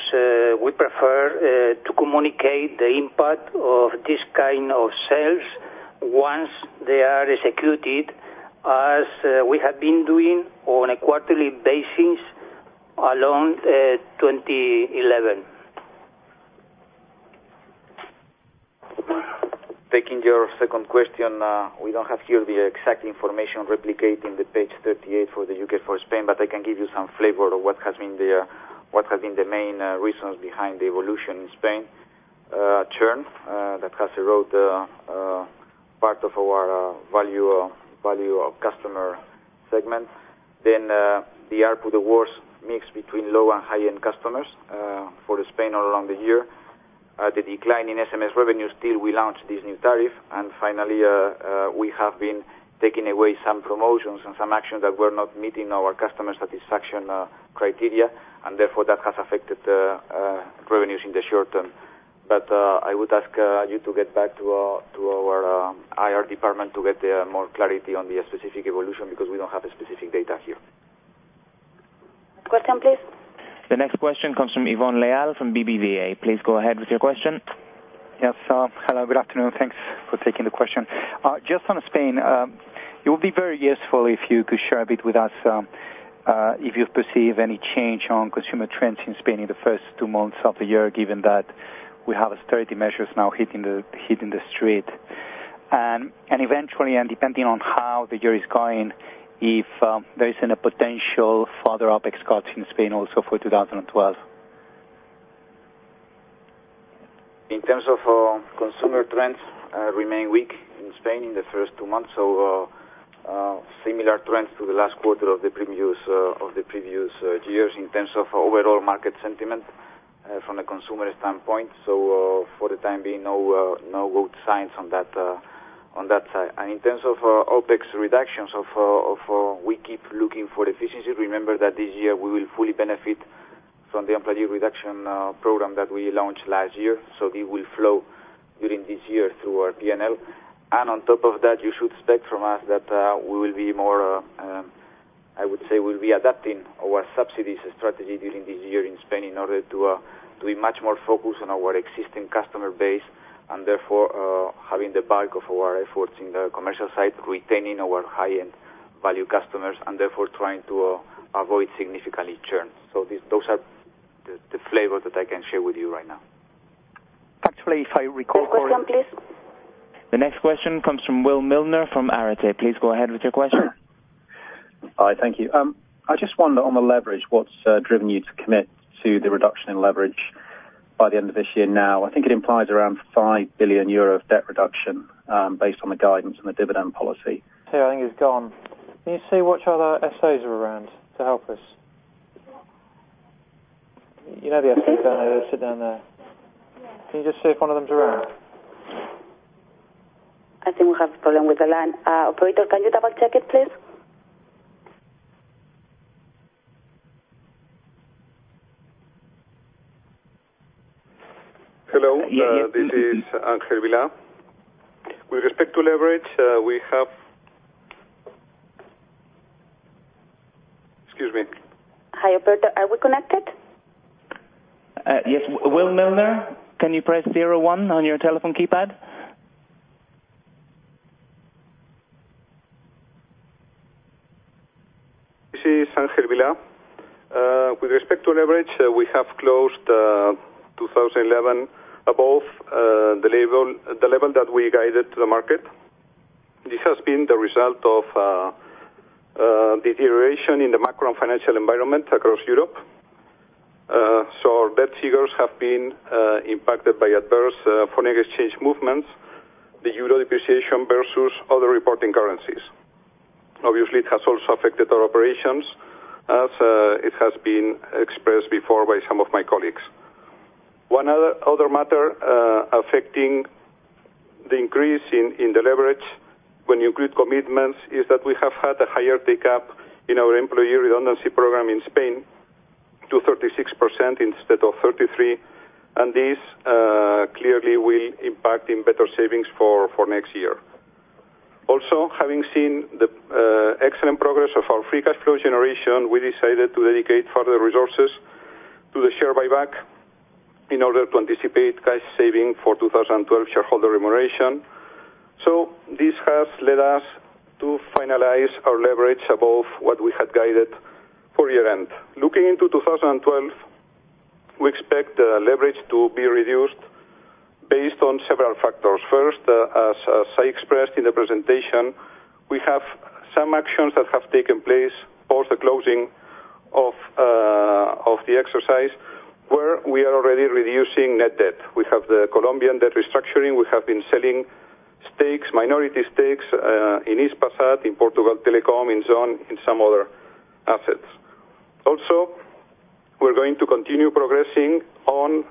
we prefer to communicate the impact of this kind of sales once they are executed, as we have been doing on a quarterly basis along 2011. Taking your second question, we don't have here the exact information replicated in page 38 for the U.K. for Spain, but I can give you some flavor of what has been the main reasons behind the evolution in Spain. Churn that has eroded part of our value customer segment. Then the ARPU, the worst mix between low and high-end customers for Spain all around the year. The decline in SMS revenues till we launched this new tariff. Finally, we have been taking away some promotions and some actions that were not meeting our customer satisfaction criteria, and therefore, that has affected revenues in the short term. I would ask you to get back to our IR department to get more clarity on the specific evolution because we don't have specific data here. Next question, please. The next question comes from Ivón Leal from BBVA. Please go ahead with your question. Yes. Hello. Good afternoon. Thanks for taking the question. Just on Spain, it would be very useful if you could share a bit with us if you perceive any change on consumer trends in Spain in the first two months of the year, given that we have a sturdy measure now hitting the street. Eventually, and depending on how the year is going, if there is a potential further OpEx cuts in Spain also for 2012. In terms of consumer trends, remain weak in Spain in the first two months, so similar trends to the last quarter of the previous years in terms of overall market sentiment from a consumer standpoint. For the time being, no good signs on that side. In terms of OpEx reductions, we keep looking for efficiency. Remember that this year we will fully benefit from the employee reduction program that we launched last year. They will flow during this year through our P&L. On top of that, you should expect from us that we will be more, I would say, we'll be adapting our subsidies strategy during this year in Spain in order to be much more focused on our existing customer base and therefore having the bulk of our efforts in the commercial side retaining our high-end value customers and therefore trying to avoid significantly churn. Those are the flavors that I can share with you right now. Actually, if I recall. Next question, please. The next question comes from Will Milner from Arete. Please go ahead with your question. Hi. Thank you. I just wonder on the leverage, what's driven you to commit to the reduction in leverage by the end of this year now? I think it implies around 5 billion euro of debt reduction based on the guidance and the dividend policy. I think it's gone. Can you see which other SAs are around to help us? You know the FTs down there, they're sitting down there. Can you just see if one of them's around? I think we have a problem with the line. Operator, can you double-check it, please? Hello. Yes, yes, yes. This is Ángel Vilá. With respect to leverage, we have, excuse me. Hi, operator. Are we connected? Yes. Will Milner, can you press zero one on your telephone keypad? This is Ángel Vilá. With respect to leverage, we have closed 2011 above the level that we guided to the market. This has been the result of deterioration in the macro and financial environment across Europe. Our debt figures have been impacted by adverse foreign exchange movements, the euro depreciation versus other reporting currencies. Obviously, it has also affected our operations, as it has been expressed before by some of my colleagues. One other matter affecting the increase in the leverage when you include commitments is that we have had a higher take-up in our employee redundancy program in Spain to 36% instead of 33%, and this clearly will impact in better savings for next year. Also, having seen the excellent progress of our free cash flow generation, we decided to dedicate further resources to the share buyback in order to anticipate cash saving for 2012 shareholder remuneration. This has led us to finalize our leverage above what we had guided for year-end. Looking into 2012, we expect the leverage to be reduced based on several factors. First, as I expressed in the presentation, we have some actions that have taken place post the closing of the exercise where we are already reducing net debt. We have the Colombian debt restructuring. We have been selling minority stakes in [East Passat], in Portugal Telecom, in Zone, in some other assets. We are going to continue progressing on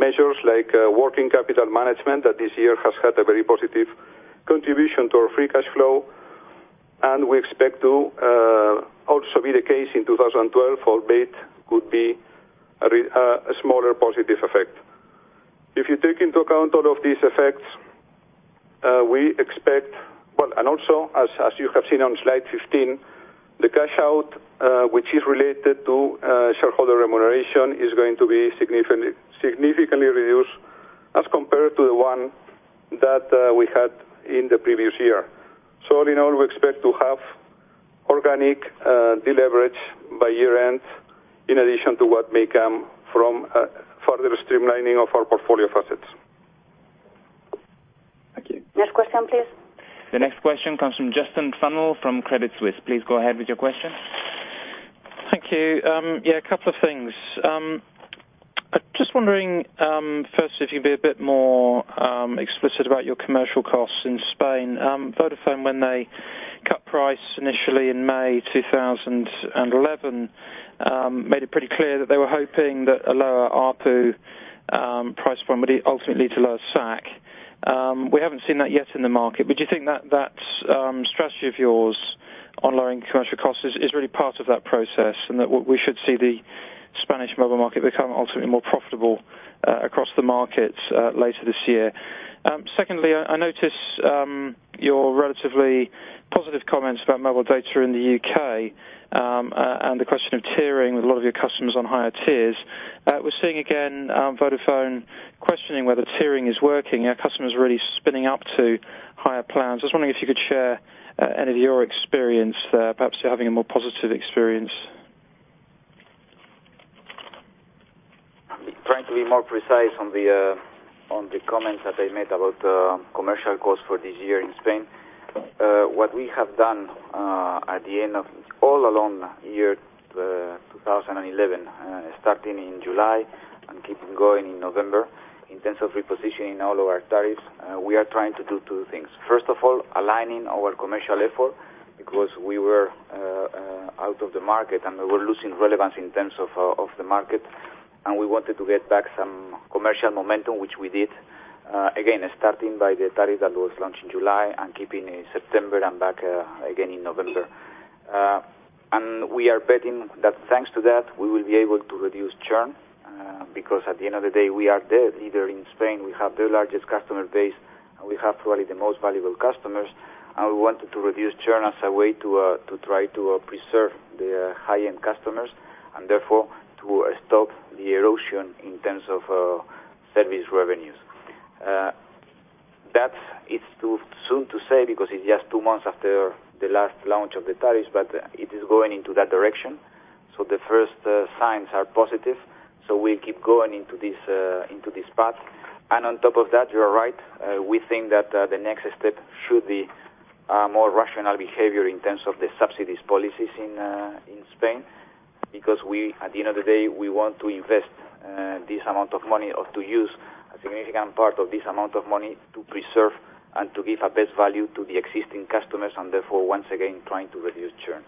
measures like working capital management that this year has had a very positive contribution to our free cash flow, and we expect to also be the case in 2012, albeit could be a smaller positive effect. If you take into account all of these effects, you have seen on slide 15, the cash out, which is related to shareholder remuneration, is going to be significantly reduced as compared to the one that we had in the previous year. All in all, we expect to have organic deleverage by year-end in addition to what may come from further streamlining of our portfolio of assets. Thank you. Next question, please. The next question comes from Justin Funnell from Credit Suisse. Please go ahead with your question. Thank you. Yeah, a couple of things. I'm just wondering, first, if you can be a bit more explicit about your commercial costs in Spain. Vodafone, when they cut price initially in May 2011, made it pretty clear that they were hoping that a lower ARPU price point would ultimately lead to lower SAC. We haven't seen that yet in the market. Would you think that that strategy of yours on lowering commercial costs is really part of that process and that we should see the Spanish mobile market become ultimately more profitable across the markets later this year? Secondly, I notice your relatively positive comments about mobile data in the U.K. and the question of tiering with a lot of your customers on higher tiers. We're seeing again Vodafone questioning whether tiering is working. Our customers are really spinning up to higher plans. I was wondering if you could share any of your experience there, perhaps you're having a more positive experience. Trying to be more precise on the comments that I made about commercial costs for this year in Spain. What we have done at the end of all along year 2011, starting in July and keeping going in November, in terms of repositioning all of our tariffs, we are trying to do two things. First of all, aligning our commercial effort because we were out of the market and we were losing relevance in terms of the market, and we wanted to get back some commercial momentum, which we did, again, starting by the tariff that was launched in July and keeping in September and back again in November. We are betting that thanks to that, we will be able to reduce churn because at the end of the day, we are the leader in Spain. We have the largest customer base, and we have probably the most valuable customers, and we wanted to reduce churn as a way to try to preserve the high-end customers and therefore to stop the erosion in terms of service revenues. It's too soon to say because it's just two months after the last launch of the tariffs, but it is going into that direction. The first signs are positive, so we'll keep going into this path. On top of that, you're right. We think that the next step should be more rational behavior in terms of the subsidies policies in Spain because at the end of the day, we want to invest this amount of money or to use a significant part of this amount of money to preserve and to give our best value to the existing customers and therefore, once again, trying to reduce churn.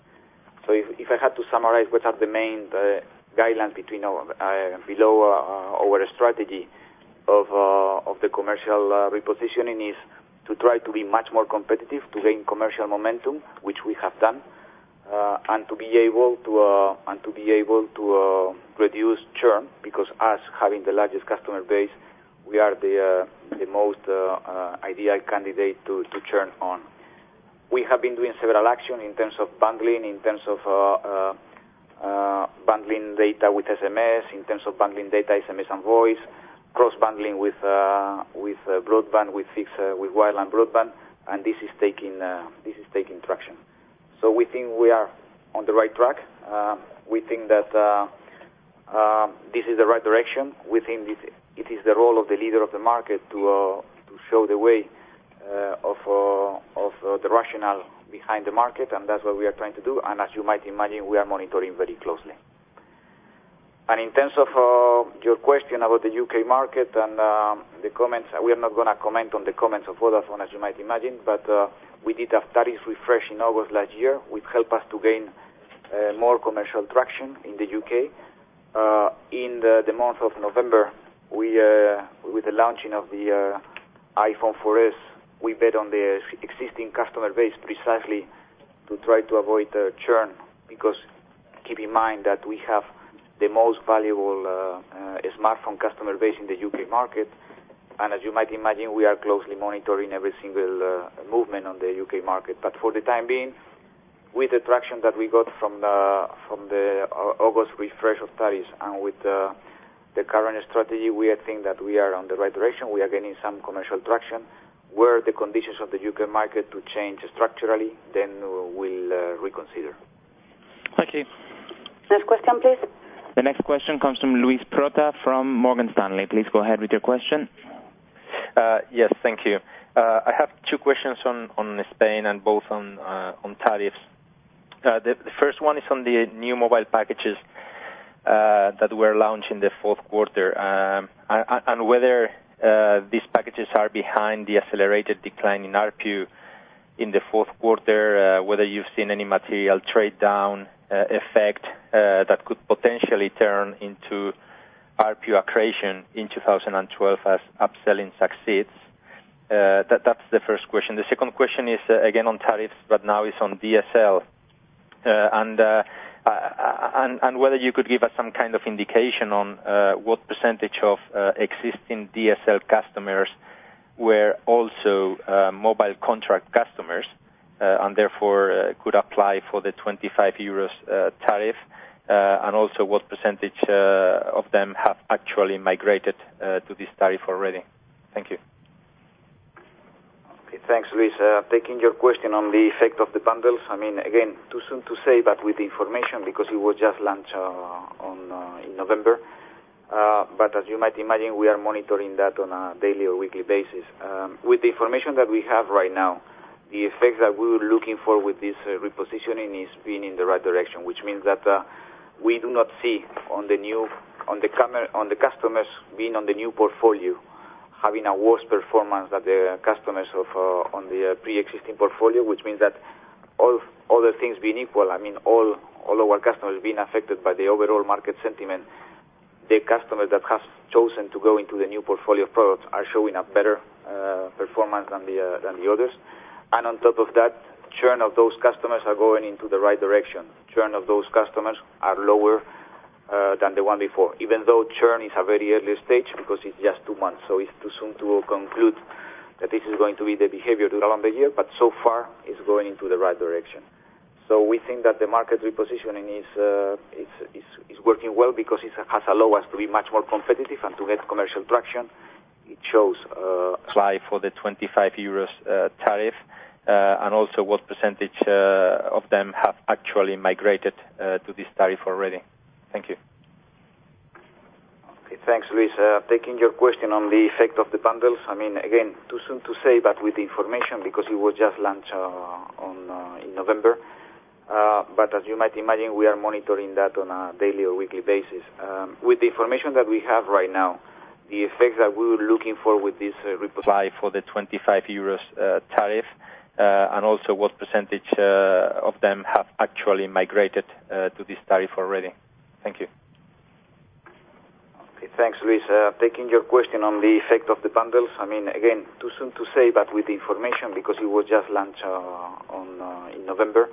If I had to summarize what are the main guidelines below our strategy of the commercial repositioning, it is to try to be much more competitive to gain commercial momentum, which we have done, and to be able to reduce churn because, as having the largest customer base, we are the most ideal candidate to churn on. We have been doing several actions in terms of bundling, in terms of bundling data with SMS, in terms of bundling data, SMS and voice, cross-bundling with broadband, with fixed, with wireline broadband, and this is taking traction. We think we are on the right track. We think that this is the right direction. We think it is the role of the leader of the market to show the way of the rationale behind the market, and that's what we are trying to do. As you might imagine, we are monitoring very closely. In terms of your question about the U.K. market and the comments, we are not going to comment on the comments of Vodafone, as you might imagine, but we did have tariffs refresh in August last year, which helped us to gain more commercial traction in the U.K.. In the month of November, with the launching of the iPhone 4s, we bet on the existing customer base precisely to try to avoid churn because keep in mind that we have the most valuable smartphone customer base in the U.K. market. As you might imagine, we are closely monitoring every single movement on the U.K. market. For the time being, with the traction that we got from the August refresh of tariffs and with the current strategy, we think that we are on the right direction. We are gaining some commercial traction. Were the conditions of the U.K. market to change structurally, then we'll reconsider. Thank you. Next question, please. The next question comes from Luis Prota from Morgan Stanley. Please go ahead with your question. Yes, thank you. I have two questions on Spain and both on tariffs. The first one is on the new mobile packages that were launched in the fourth quarter and whether these packages are behind the accelerated decline in ARPU in the fourth quarter, whether you've seen any material trade-down effect that could potentially turn into ARPU accretion in 2012 as upselling succeeds. That's the first question. The second question is again on tariffs, but now is on DSL and whether you could give us some kind of indication on what percentage of existing DSL customers were also mobile contract customers and therefore could apply for the 25 euros tariff and also what percentage of them have actually migrated to this tariff already. Thank you. Okay. Thanks, Luis. Taking your question on the effect of the bundles, again, too soon to say, but with the information because it was just launched in November. As you might imagine, we are monitoring that on a daily or weekly basis. With the information that we have right now, the effects that we were looking for with this repositioning are spinning in the right direction, which means that we do not see the customers being on the new portfolio having a worse performance than the customers on the pre-existing portfolio, which means that all other things being equal, all of our customers being affected by the overall market sentiment, the customers that have chosen to go into the new portfolio of products are showing a better performance than the others. On top of that, churn of those customers is going into the right direction. Churn of those customers is lower than the one before, even though churn is at a very early stage because it's just two months. It is too soon to conclude that this is going to be the behavior to go on the year, but so far, it's going into the right direction. We think that the market repositioning is working well because it has allowed us to be much more competitive and to get commercial traction. It shows a. Apply for the 25 euros tariff and also what percentage of them have actually migrated to this tariff already. Thank you. Okay. Thanks, Luis. Taking your question on the effect of the bundles, again, too soon to say, but with the information because it was just launched in November, as you might imagine, we are monitoring that on a daily or weekly basis. With the information that we have right now, the effects that we were looking for with this. Apply for the 25 euros tariff and also what percentage of them have actually migrated to this tariff already. Thank you. Okay. Thanks, Luis. Taking your question on the effect of the bundles, again, too soon to say, but with the information because it was just launched in November.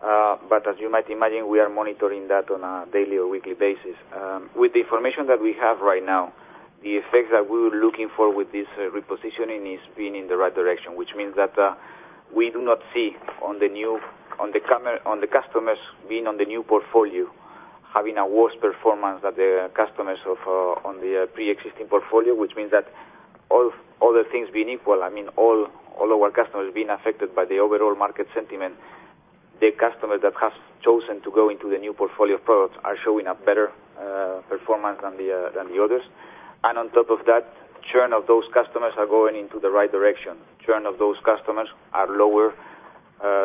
As you might imagine, we are monitoring that on a daily or weekly basis. With the information that we have right now, the effects that we were looking for with this repositioning are spinning in the right direction, which means that we do not see the customers being on the new portfolio having a worse performance than the customers on the pre-existing portfolio. This means that all other things being equal, all of our customers being affected by the overall market sentiment, the customers that have chosen to go into the new portfolio of products are showing a better performance than the others. On top of that, churn of those customers is going into the right direction. Churn of those customers is lower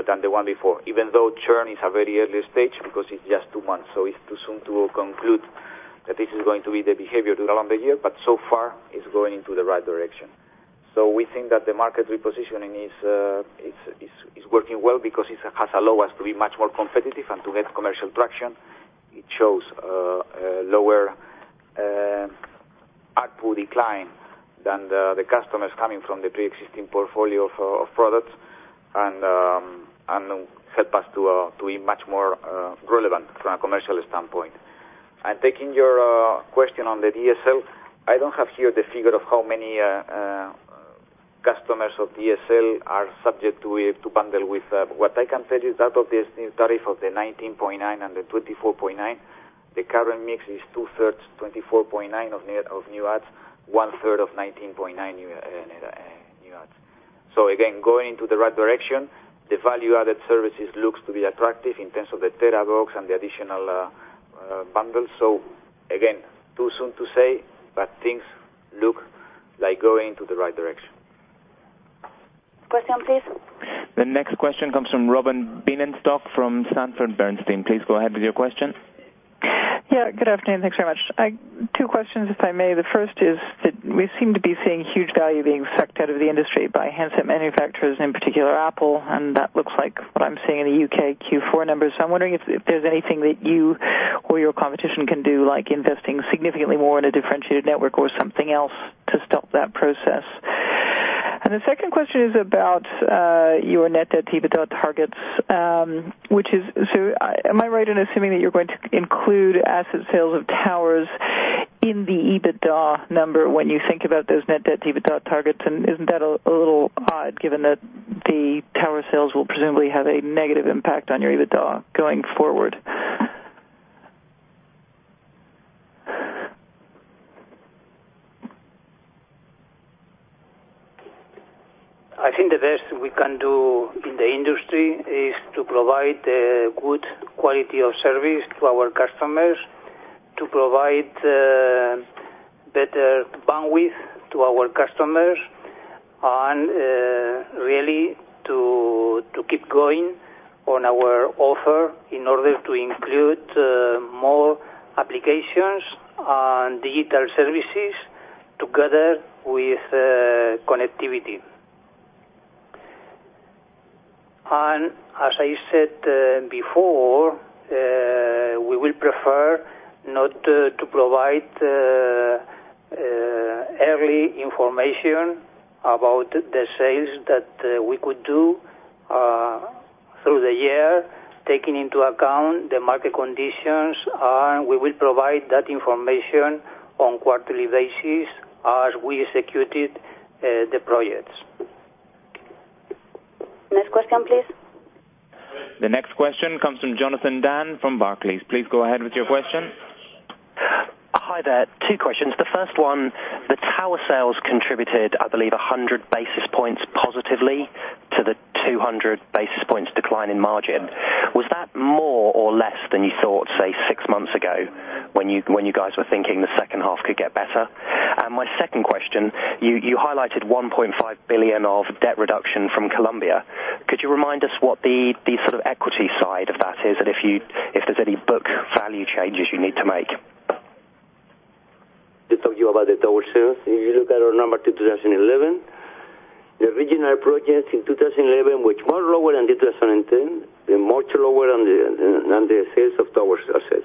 than the one before, even though churn is at a very early stage because it's just two months. It is too soon to conclude that this is going to be the behavior to go on the year, but so far, it's going into the right direction. We think that the market repositioning is working well because it has allowed us to be much more competitive and to get commercial traction. It shows a lower ARPU decline than the customers coming from the pre-existing portfolio of products and helps us to be much more relevant from a commercial standpoint. Taking your question on the DSL, I don't have here the figure of how many customers of DSL are subject to bundle with. What I can tell you is that of the tariff of 19.9 and 24.9, the current mix is two-thirds 24.9 of new adds, one-third of 19.9 new adds. Again, going into the right direction, the value-added services look to be attractive in terms of the terabucks and the additional bundles. Again, too soon to say, but things look like going into the right direction. Next question, please. The next question comes from Robin Bienenstock from Sanford Bernstein. Please go ahead with your question. Yeah. Good afternoon. Thanks very much. Two questions, if I may. The first is that we seem to be seeing huge value being sucked out of the industry by handset manufacturers, in particular Apple, and that looks like what I'm seeing in the U.K. Q4 numbers. I'm wondering if there's anything that you. Your competition can do, like investing significantly more in a differentiated network or something else to stop that process. The second question is about your net debt to EBITDA targets, which is, so am I right in assuming that you're going to include asset sales of towers in the EBITDA number when you think about those net debt to EBITDA targets? Isn't that a little odd given that the tower sales will presumably have a negative impact on your EBITDA going forward? I think the best we can do in the industry is to provide a good quality of service to our customers, to provide better bandwidth to our customers, and really to keep going on our offer in order to include more applications and digital services together with connectivity. As I said before, we will prefer not to provide early information about the sales that we could do through the year, taking into account the market conditions, and we will provide that information on a quarterly basis as we execute the projects. Next question, please. The next question comes from Jonathan Dann from Barclays. Please go ahead with your question. Hi there. Two questions. The first one, the tower sales contributed, I believe, 100 basis points positively to the 200 basis points decline in margin. Was that more or less than you thought, say, six months ago when you guys were thinking the second half could get better? My second question, you highlighted 1.5 billion of debt reduction from Colombia. Could you remind us what the sort of equity side of that is, and if there's any book value changes you need to make? Talking about the towers here, if you look at our number 2011, the original project in 2011 was much lower than 2010, and much lower than the sales of towers as such.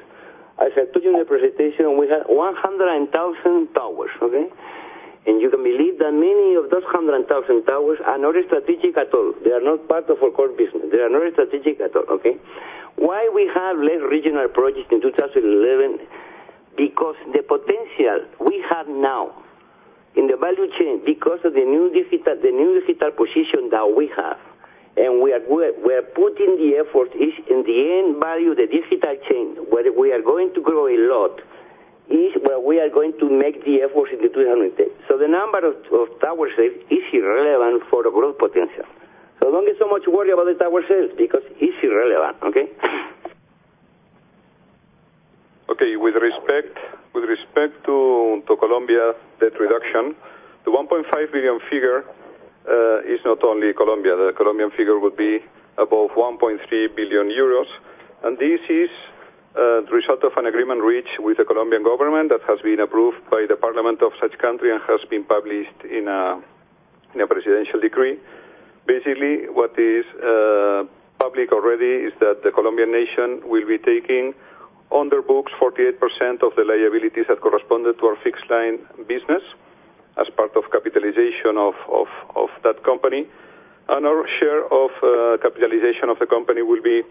As I told you in the presentation, we had 100,000 towers, okay? You can believe that many of those 100,000 towers are not strategic at all. They are not part of our core business. They are not strategic at all, okay? Why do we have less regional projects in 2011? Because the potential we have now in the value chain because of the new digital position that we have. We are putting the effort in the end value, the digital chain, where we are going to grow a lot, is where we are going to make the efforts in 2010. The number of tower sales is irrelevant for a growth potential. Don't get so much worried about the tower sales because it's irrelevant, okay? Okay. With respect to Colombia's debt reduction, the 1.5 billion figure is not only Colombia. The Colombian figure would be above 1.3 billion euros. This is the result of an agreement reached with the Colombian government that has been approved by the parliament of such a country and has been published in a presidential decree. Basically, what is public already is that the Colombian nation will be taking on their books 48% of the liabilities that corresponded to our fixed line business as part of capitalization of that company. Our share of capitalization of the company will be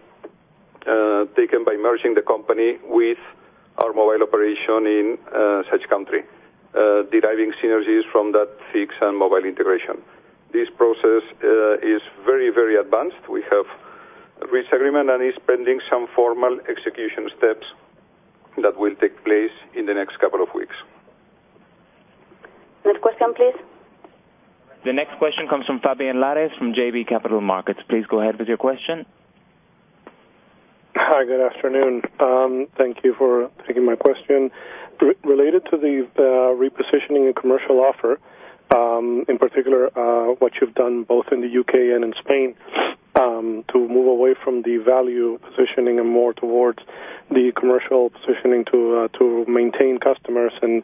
taken by merging the company with our mobile operation in such a country, deriving synergies from that fixed and mobile integration. This process is very, very advanced. We have reached an agreement and it is pending some formal execution steps that will take place in the next couple of weeks. Next question, please. The next question comes from Fabian Lares from JB Capital Markets. Please go ahead with your question. Hi. Good afternoon. Thank you for taking my question. Related to the repositioning and commercial offer, in particular, what you've done both in the U.K. and in Spain to move away from the value positioning and more towards the commercial positioning to maintain customers and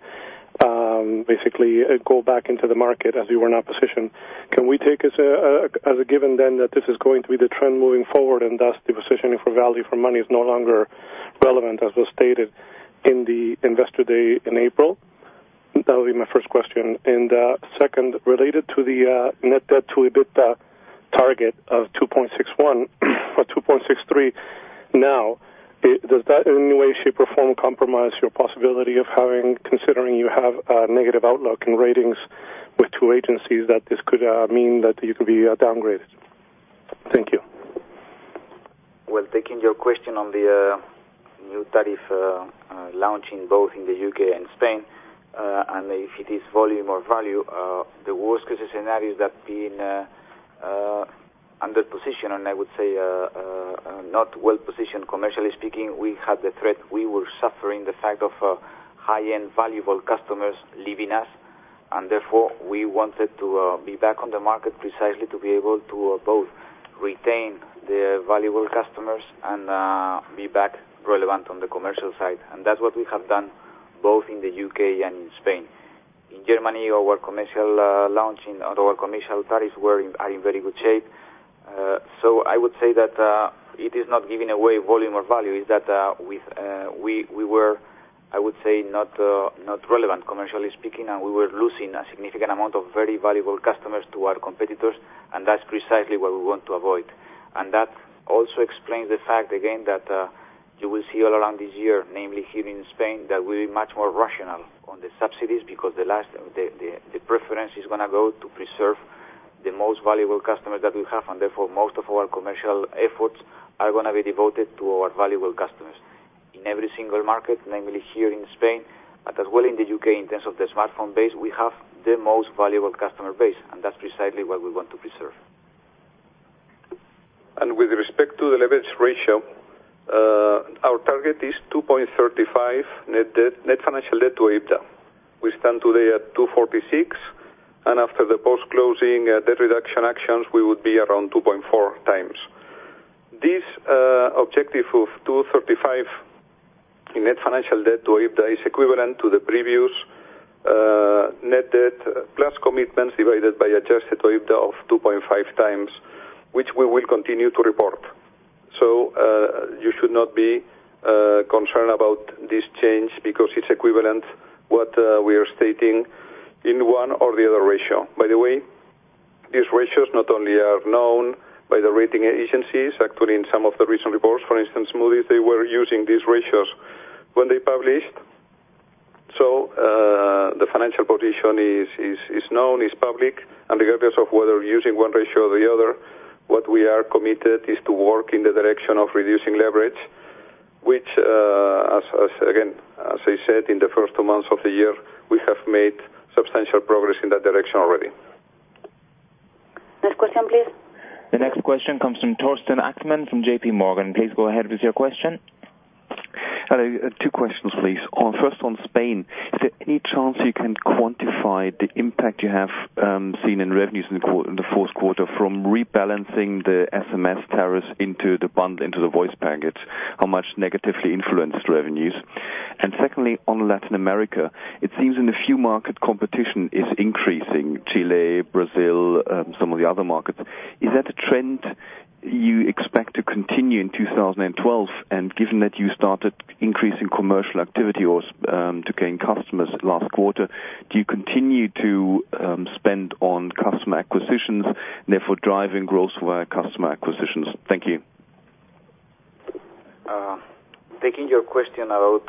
basically go back into the market as you were now positioned. Can we take this as a given that this is going to be the trend moving forward and thus the positioning for value for money is no longer relevant as was stated in the investor day in April? That would be my first question. Second, related to the net debt to EBITDA target f 2.61 or 2.63 now, does that in any way, shape, or form compromise your possibility of having, considering you have a negative outlook in ratings with two agencies, that this could mean that you could be downgraded? Thank you. Taking your question on the new tariff launching both in the U.K. and Spain, and if it is volume or value, the worst-case scenario is that being under-positioned and I would say not well positioned commercially speaking, we had the threat we were suffering the fact of high-end valuable customers leaving us. Therefore, we wanted to be back on the market precisely to be able to both retain the valuable customers and be back relevant on the commercial side. That's what we have done both in the U.K. and in Spain. In Germany, our commercial launching and our commercial tariffs are in very good shape. I would say that it is not giving away volume or value. It's that we were, I would say, not relevant commercially speaking, and we were losing a significant amount of very valuable customers to our competitors. That's precisely what we want to avoid. That also explains the fact, again, that you will see all around this year, namely here in Spain, that we're much more rational on the subsidies because the last the preference is going to go to preserve the most valuable customers that we have. Therefore, most of our commercial efforts are going to be devoted to our valuable customers. In every single market, namely here in Spain, but as well in the U.K. in terms of the smartphone base, we have the most valuable customer base. That's precisely what we want to preserve. With respect to the leverage ratio, our target is 2.35 net debt, net financial debt to EBITDA. We stand today at 2.46. After the post-closing debt reduction actions, we would be around 2.4x. This objective of 2.35 in net financial debt to EBITDA is equivalent to the previous net debt plus commitments divided by adjusted EBITDA of 2.5x, which we will continue to report. You should not be concerned about this change because it's equivalent to what we are stating in one or the other ratio. By the way, these ratios not only are known by the rating agencies, actually, in some of the recent reports. For instance, Moody's, they were using these ratios when they published. The financial position is known, is public. Regardless of whether using one ratio or the other, what we are committed is to work in the direction of reducing leverage, which, again, as I said, in the first two months of the year, we have made substantial progress in that direction already. Next question, please. The next question comes from Torsten Achtmann from JPMorgan. Please go ahead with your question. Hello. Two questions, please. First, on Spain, is there any chance you can quantify the impact you have seen in revenues in the fourth quarter from rebalancing the SMS tariffs into the bund, into the voice packets? How much negatively influenced revenues? Secondly, on Latin America, it seems in a few markets, competition is increasing: Chile, Brazil, some of the other markets. Is that a trend you expect to continue in 2012? Given that you started increasing commercial activity to gain customers last quarter, do you continue to spend on customer acquisitions and therefore driving growth via customer acquisitions? Thank you. Taking your question about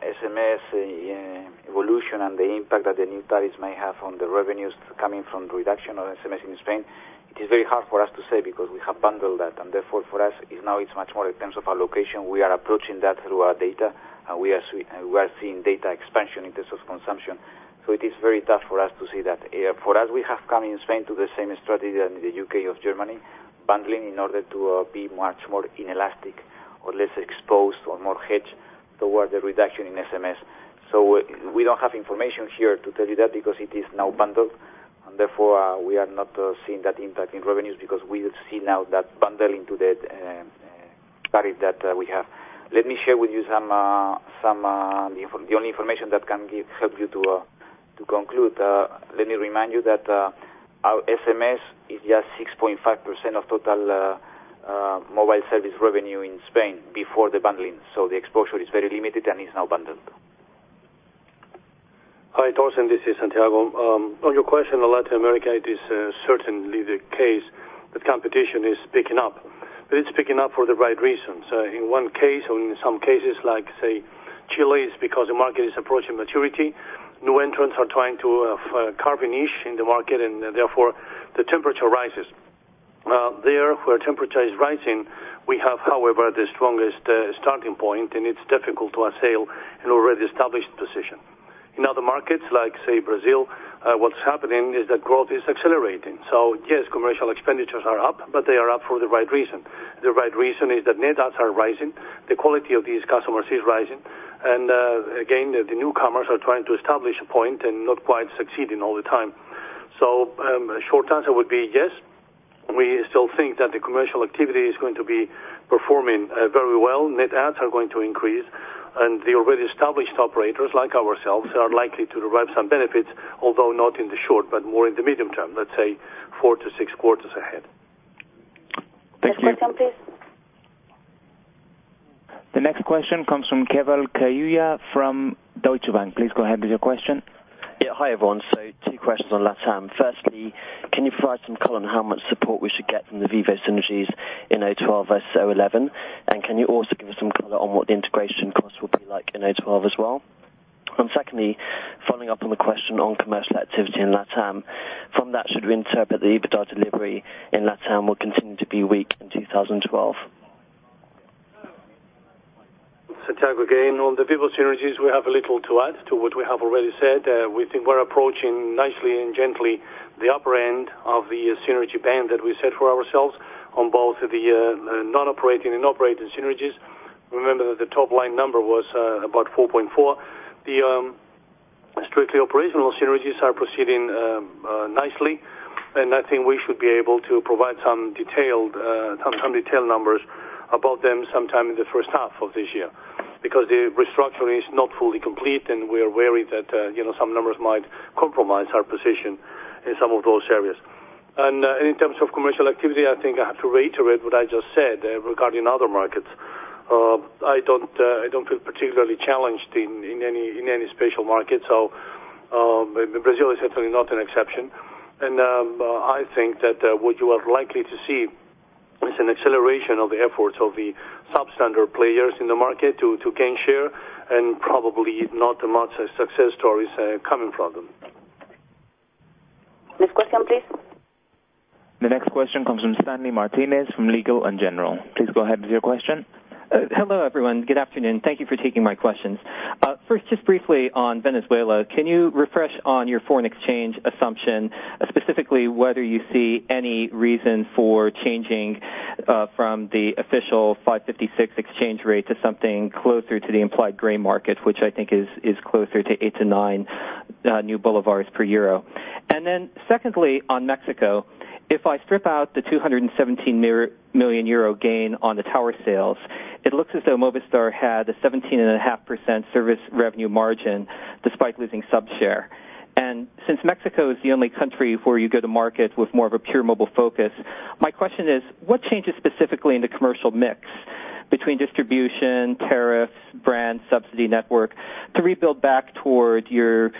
SMS and evolution and the impact that the new tariffs may have on the revenues coming from the reduction of SMS in Spain, it is very hard for us to say because we have bundled that. Therefore, for us, now it's much more in terms of allocation. We are approaching that through our data, and we are seeing data expansion in terms of consumption. It is very tough for us to say that. For us, we have come in Spain to the same strategy as in the U.K. or Germany, bundling in order to be much more inelastic or less exposed or more hedged toward the reduction in SMS. We don't have information here to tell you that because it is now bundled. Therefore, we are not seeing that impact in revenues because we see now that bundling to the tariff that we have. Let me share with you the only information that can help you to conclude. Let me remind you that our SMS is just 6.5% of total mobile service revenue in Spain before the bundling. The exposure is very limited and is now bundled. Hi, Torsten. This is Santiago. On your question in Latin America, it is certainly the case that competition is picking up, but it's picking up for the right reasons. In one case, or in some cases, like, say, Chile, it is because the market is approaching maturity. New entrants are trying to carve a niche in the market, and therefore, the temperature rises. Where temperature is rising, we have, however, the strongest starting point, and it's difficult to assail an already established position. In other markets, like, say, Brazil, what's happening is that growth is accelerating. Yes, commercial expenditures are up, but they are up for the right reason. The right reason is that net adds are rising, the quality of these customers is rising, and again, the newcomers are trying to establish a point and not quite succeeding all the time. A short answer would be yes. We still think that the commercial activity is going to be performing very well. Net adds are going to increase, and the already established operators like ourselves are likely to derive some benefits, although not in the short, but more in the medium term, let's say four to six quarters ahead. Thank you. Next question, please. The next question comes from Keval Khiroya from Deutsche Bank. Please go ahead with your question. Hi, everyone. Two questions on that term. Firstly, can you provide some color on how much support we should get from the Viva synergies in 2012 versus 2011? Can you also give us some color on what the integration costs will be like in 2012 as well? Secondly, following up on the question on commercial activity in Latin America, from that, should we interpret the EBITDA delivery in Latin America will continue to be weak in 2012? Santiago again. On the Viva synergies, we have little to add to what we have already said. We think we're approaching nicely and gently the upper end of the synergy band that we set for ourselves on both the non-operating and operating synergies. Remember that the top line number was about 4.4 million. The strictly operational synergies are proceeding nicely, and I think we should be able to provide some detailed numbers about them sometime in the first half of this year because the restructuring is not fully complete, and we are worried that some numbers might compromise our position in some of those areas. In terms of commercial activity, I think I have to reiterate what I just said regarding other markets. I don't feel particularly challenged in any special market. Brazil is certainly not an exception. I think that what you are likely to see is an acceleration of the efforts of the substandard players in the market to gain share and probably not much success stories coming from them. Next question, please. The next question comes from Stanley Martinez from Legal & General. Please go ahead with your question. Hello, everyone. Good afternoon. Thank you for taking my questions. First, just briefly on Venezuela, can you refresh on your foreign exchange assumption, specifically whether you see any reason for changing from the official VED 5.56 exchange rate to something closer to the implied grain market, which I think is closer to VED 8-VED 9 per euro? Secondly, on Mexico, if I strip out the 217 million euro gain on the tower sales, it looks as though Movistar had a 17.5% service revenue margin despite losing sub-share. Since Mexico is the only country where you go to market with more of a pure mobile focus, my question is, what changes specifically in the commercial mix between distribution, tariffs, brands, subsidy network to rebuild back toward your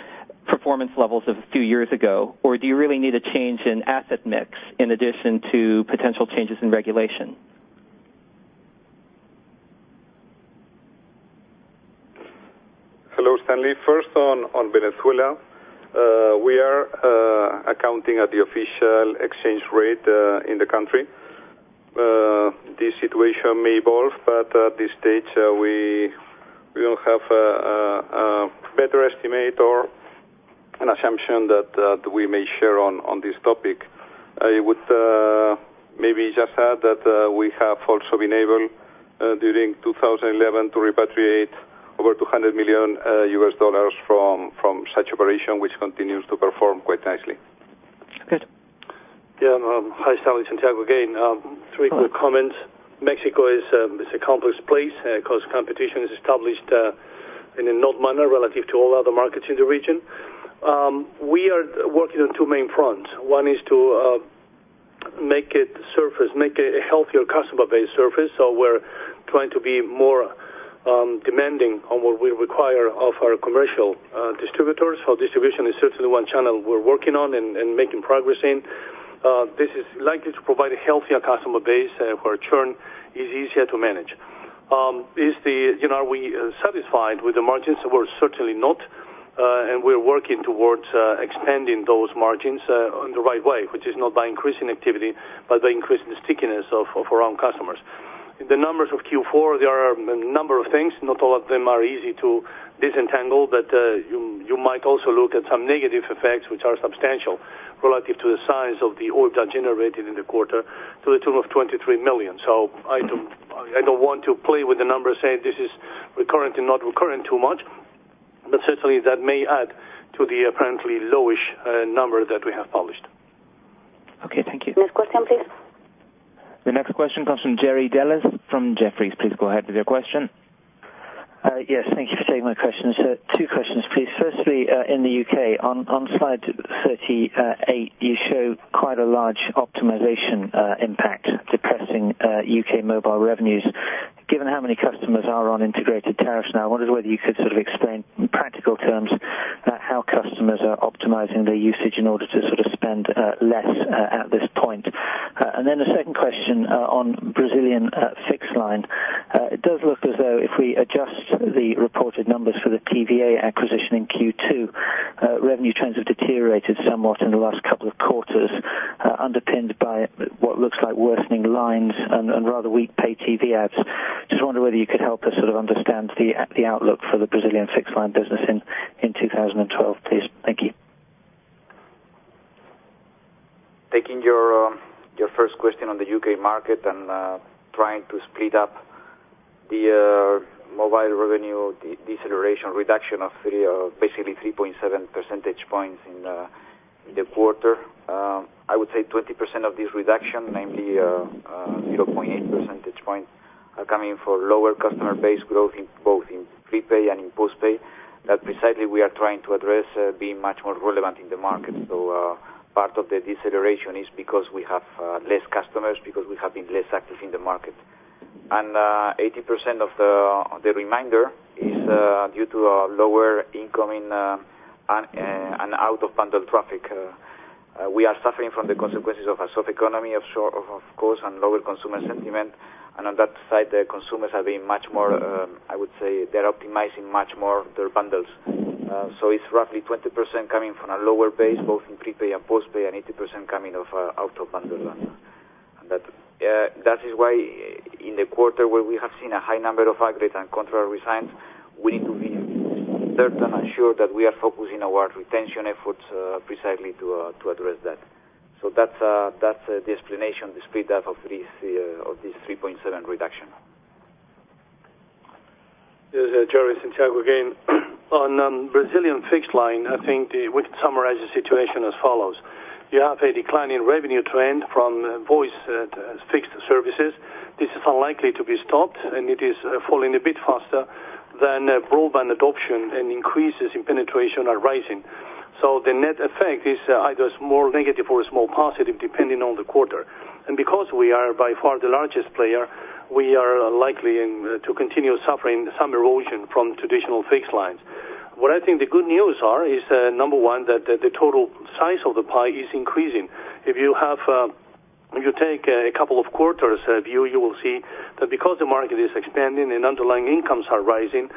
performance levels of a few years ago? Do you really need a change in asset mix in addition to potential changes in regulation? Hello, Stanley. First, on Venezuela, we are accounting at the official exchange rate in the country. This situation may evolve, but at this stage, we don't have a better estimate or an assumption that we may share on this topic. I would maybe just add that we have also been able during 2011 to repatriate over EUR 200 million from such operation, which continues to perform quite nicely. That's good. Yeah. Hi, Stanley. Santiago again. Three quick comments. Mexico is a complex place. Cost competition is established in a known manner relative to all other markets in the region. We are working on two main fronts. One is to make it surface, make a healthier customer base surface. We're trying to be more demanding on what we require of our commercial distributors. Distribution is certainly one channel we're working on and making progress in. This is likely to provide a healthier customer base where churn is easier to manage. Are we satisfied with the margins? We're certainly not, and we're working towards expanding those margins in the right way, which is not by increasing activity, but by increasing the stickiness of our own customers. In the numbers of Q4, there are a number of things. Not all of them are easy to disentangle, but you might also look at some negative effects, which are substantial relative to the size of the order generated in the quarter to the tune of 23 million. I don't want to play with the numbers saying this is recurrent and not recurring too much, but certainly, that may add to the apparently lowish number that we have published. Okay, thank you. Next question, please. The next question comes from Jerry Dellis from Jefferies. Please go ahead with your question. Yes. Thank you for taking my questions. Two questions, please. Firstly, in the U.K., on slide 38, you show quite a large optimization impact depressing U.K. mobile revenues. Given how many customers are on integrated tariffs now, I wonder whether you could explain in practical terms how customers are optimizing their usage in order to spend less at this point. The second question on Brazilian fixed line. It does look as though if we adjust the reported numbers for the TVA acquisition in Q2, revenue trends have deteriorated somewhat in the last couple of quarters, underpinned by what looks like worsening lines and rather weak pay TV ads. I just wonder whether you could help us understand the outlook for the Brazilian fixed line business in 2012, please. Thank you. Taking your first question on the U.K. market and trying to split up the mobile revenue deceleration reduction of basically 3.7% in the quarter, I would say 20% of this reduction, namely 0.8%, are coming from lower customer base growth in both in prepay and in postpay. That precisely we are trying to address being much more relevant in the market. Part of the deceleration is because we have less customers, because we have been less active in the market. 80% of the remainder is due to a lower incoming and out-of-bundle traffic. We are suffering from the consequences of a soft economy, of course, and lower consumer sentiment. On that side, the consumers are being much more, I would say, they're optimizing much more their bundles. It's roughly 20% coming from a lower base, both in prepay and postpay, and 80% coming out of bundle. That is why in the quarter where we have seen a high number of aggregate and contra resigns, we need to be certain and sure that we are focusing our retention efforts precisely to address that. That's the explanation of the split of this 3.7% reduction. Hello Jerry Santiago again. On Brazilian fixed line, I think we could summarize the situation as follows. You have a declining revenue trend from voice as fixed services. This is unlikely to be stopped, and it is falling a bit faster than broadband adoption, and increases in penetration are rising. The net effect is either more negative or it's more positive depending on the quarter. Because we are by far the largest player, we are likely to continue suffering some erosion from traditional fixed lines. I think the good news is, number one, that the total size of the pie is increasing. If you take a couple of quarters view, you will see that because the market is expanding and underlying incomes are rising,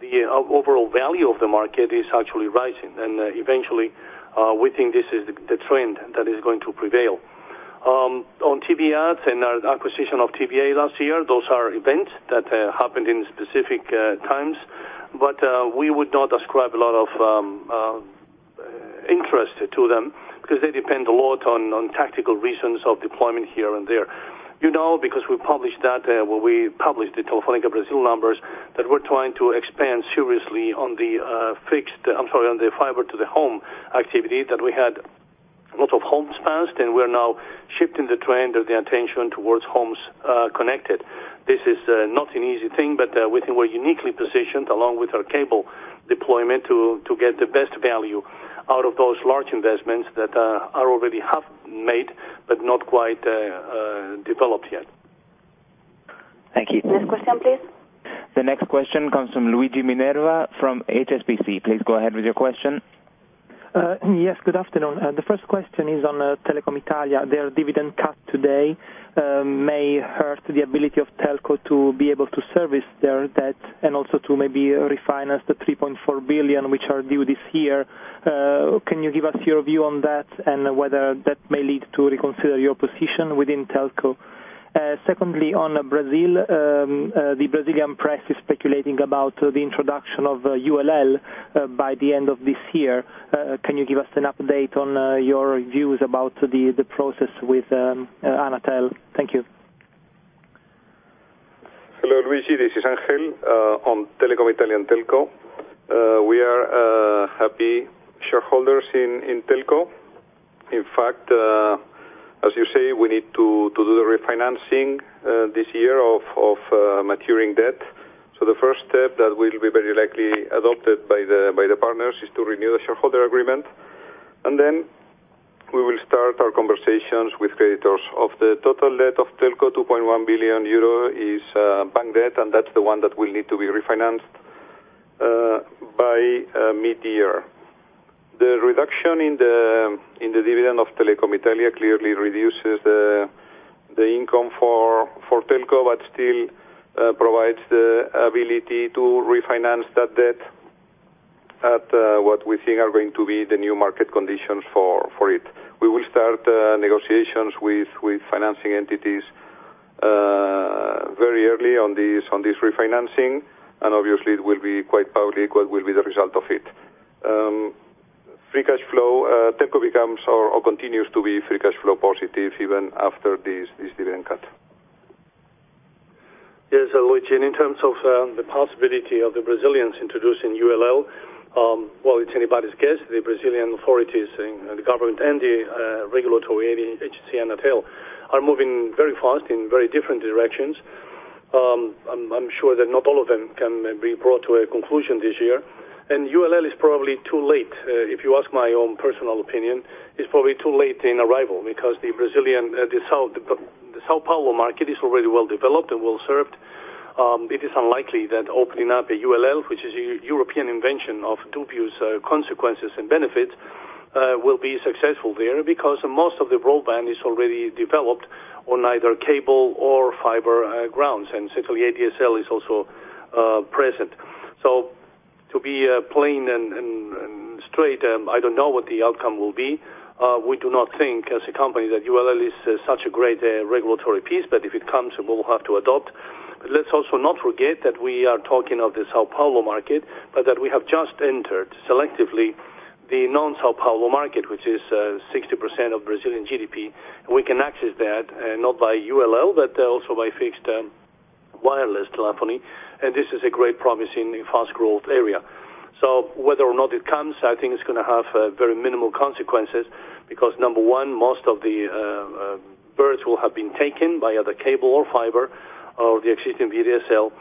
the overall value of the market is actually rising. Eventually, we think this is the trend that is going to prevail. On TV ads and our acquisition of TVA last year, those are events that happened in specific times. We would not ascribe a lot of interest to them because they depend a lot on tactical reasons of deployment here and there. You know, because we published that when we published the Telefónica Brazil numbers that we're trying to expand seriously on the fixed, I'm sorry, on the fiber-to-the-home activity that we had a lot of homes passed. We're now shifting the trend of the attention towards homes connected. This is not an easy thing, but we think we're uniquely positioned along with our cable deployment to get the best value out of those large investments that are already half-made but not quite developed yet. Thank you. Next question, please. The next question comes from Luigi Minerva from HSBC. Please go ahead with your question. Yes. Good afternoon. The first question is on Telecom Italia. Their dividend cut today may hurt the ability of Telco to be able to service their debt and also to maybe refinance the 3.4 billion which are due this year. Can you give us your view on that and whether that may lead to reconsider your position within Telco? Secondly, on Brazil, the Brazilian press is speculating about the introduction of ULL by the end of this year. Can you give us an update on your views about the process with ANATEL? Thank you. Hello, Luigi. This is Ángel on Telecom Italia and Telco. We are happy shareholders in Telco. In fact, as you say, we need to do the refinancing this year of maturing debt. The first step that will be very likely adopted by the partners is to renew the shareholder agreement, and then we will start our conversations with creditors. Of the total debt of Telco, 2.1 billion euro is bank debt, and that's the one that will need to be refinanced by mid-year. The reduction in the dividend of Telecom Italia clearly reduces the income for Telco, but still provides the ability to refinance that debt at what we think are going to be the new market conditions for it. We will start negotiations with financing entities very early on this refinancing. Obviously, it will be quite public what will be the result of it. Free cash flow, Telco becomes or continues to be free cash flow positive even after this dividend cut. Yes, Luigi. In terms of the possibility of the Brazilians introducing ULL, it's anybody's guess. The Brazilian authorities, the government, and the regulatory agency Anatel are moving very fast in very different directions. I'm sure that not all of them can be brought to a conclusion this year. ULL is probably too late. If you ask my own personal opinion, it's probably too late in arrival because the Brazilian, the São Paulo market is already well developed and well served. It is unlikely that opening up a ULL, which is a European invention of dubious consequences and benefits, will be successful there because most of the broadband is already developed on either cable or fiber grounds. Certainly, ADSL is also present. To be plain and straight, I don't know what the outcome will be. We do not think as a company that ULL is such a great regulatory piece, but if it comes, we'll have to adopt. Let's also not forget that we are talking of the São Paulo market, but that we have just entered selectively the non-São Paulo market, which is 60% of Brazilian GDP. We can access that not by ULL, but also by fixed wireless telephony. This is a great promise in a fast-growth area. Whether or not it comes, I think it's going to have very minimal consequences because, number one, most of the birds will have been taken by either cable or fiber or the existing VDSL.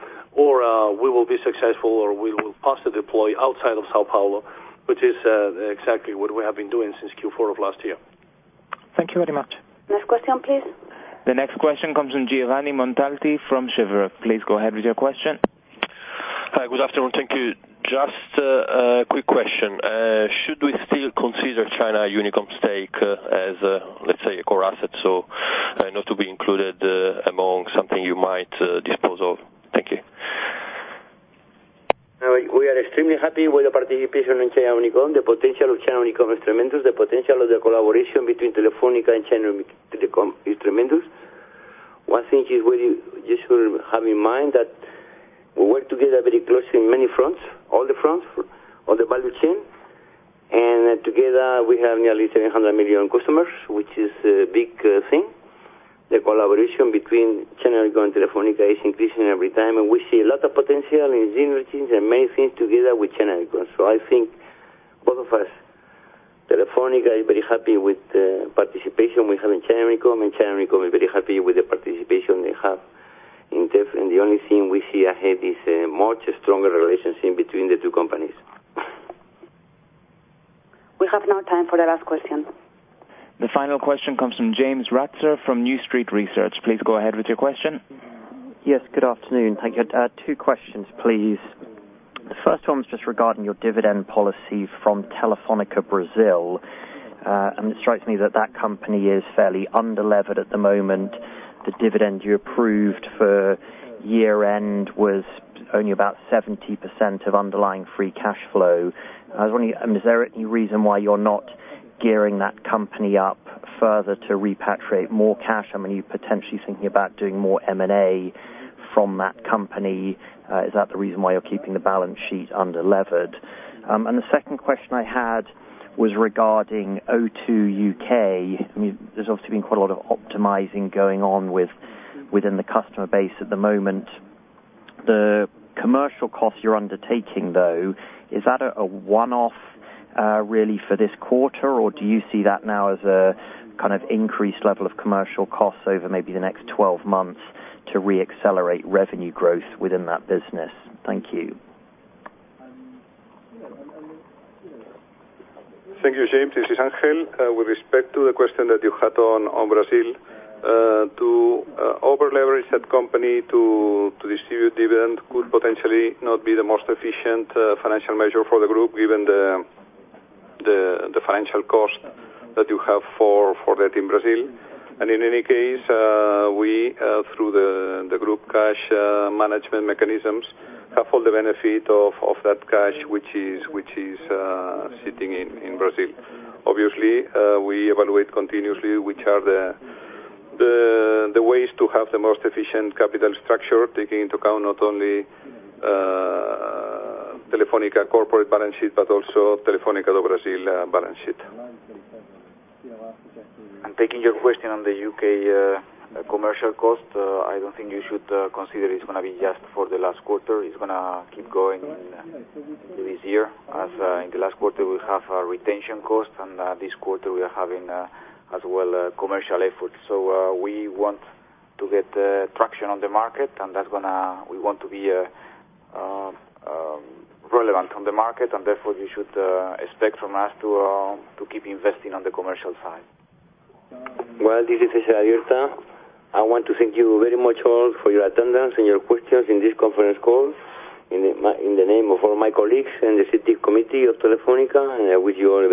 We will be successful, or we will pass the deploy outside of São Paulo, which is exactly what we have been doing since Q4 of last year. Thank you very much. Next question, please. The next question comes from Giovanni Montalti from Cheuvreux. Please go ahead with your question. Hi. Good afternoon. Thank you. Just a quick question. Should we still consider China Unicom stake as, let's say, a core asset? Not to be included among something you might dispose of. Thank you. We are extremely happy with the participation in China Unicom. The potential of China Unicom is tremendous. The potential of the collaboration between Telefónica and China Unicom is tremendous. One thing you should have in mind is that we work together very closely in many fronts, all the fronts of the value chain. Together, we have nearly 700 million customers, which is a big thing. The collaboration between China Unicom and Telefónica is increasing every time. We see a lot of potential in the engineering teams and many things together with China Unicom. I think both of us, Telefónica, are very happy with the participation we have in China Unicom. China Unicom is very happy with the participation they have in Telco. The only thing we see ahead is a much stronger relationship between the two companies. We have no time for the last question. The final question comes from James Ratzer from New Street Research. Please go ahead with your question. Yes. Good afternoon. I get two questions, please. The first one's just regarding your dividend policy from Telefónica Brazil. It strikes me that that company is fairly under-levered at the moment. The dividend you approved for year-end was only about 70% of underlying free cash flow. I was wondering, is there any reason why you're not gearing that company up further to repatriate more cash? I mean, you're potentially thinking about doing more M&A from that company. Is that the reason why you're keeping the balance sheet under-levered? The second question I had was regarding O2 U.K.. I mean, there's obviously been quite a lot of optimizing going on within the customer base at the moment. The commercial costs you're undertaking, though, is that a one-off really for this quarter? Do you see that now as a kind of increased level of commercial costs over maybe the next 12 months to re-accelerate revenue growth within that business? Thank you. Thank you, James. This is Ángel. With respect to the question that you had on Brazil, to over-leverage that company to distribute dividend could potentially not be the most efficient financial measure for the group given the financial cost that you have for that in Brazil. In any case, we, through the group cash management mechanisms, have all the benefit of that cash which is sitting in Brazil. Obviously, we evaluate continuously which are the ways to have the most efficient capital structure, taking into account not only Telefónica corporate balance sheet but also Telefónica do Brazil balance sheet. Taking your question on the U.K. commercial cost, I don't think you should consider it's going to be just for the last quarter. It's going to keep going this year as in the last quarter we have retention costs and this quarter we are having as well commercial efforts. We want to get traction on the market, and we want to be relevant on the market. Therefore, you should expect from us to keep investing on the commercial side. This is César Alierta. I want to thank you very much all for your attendance and your questions in this conference call in the name of all my colleagues in the Executive Committee of Telefónica and with your.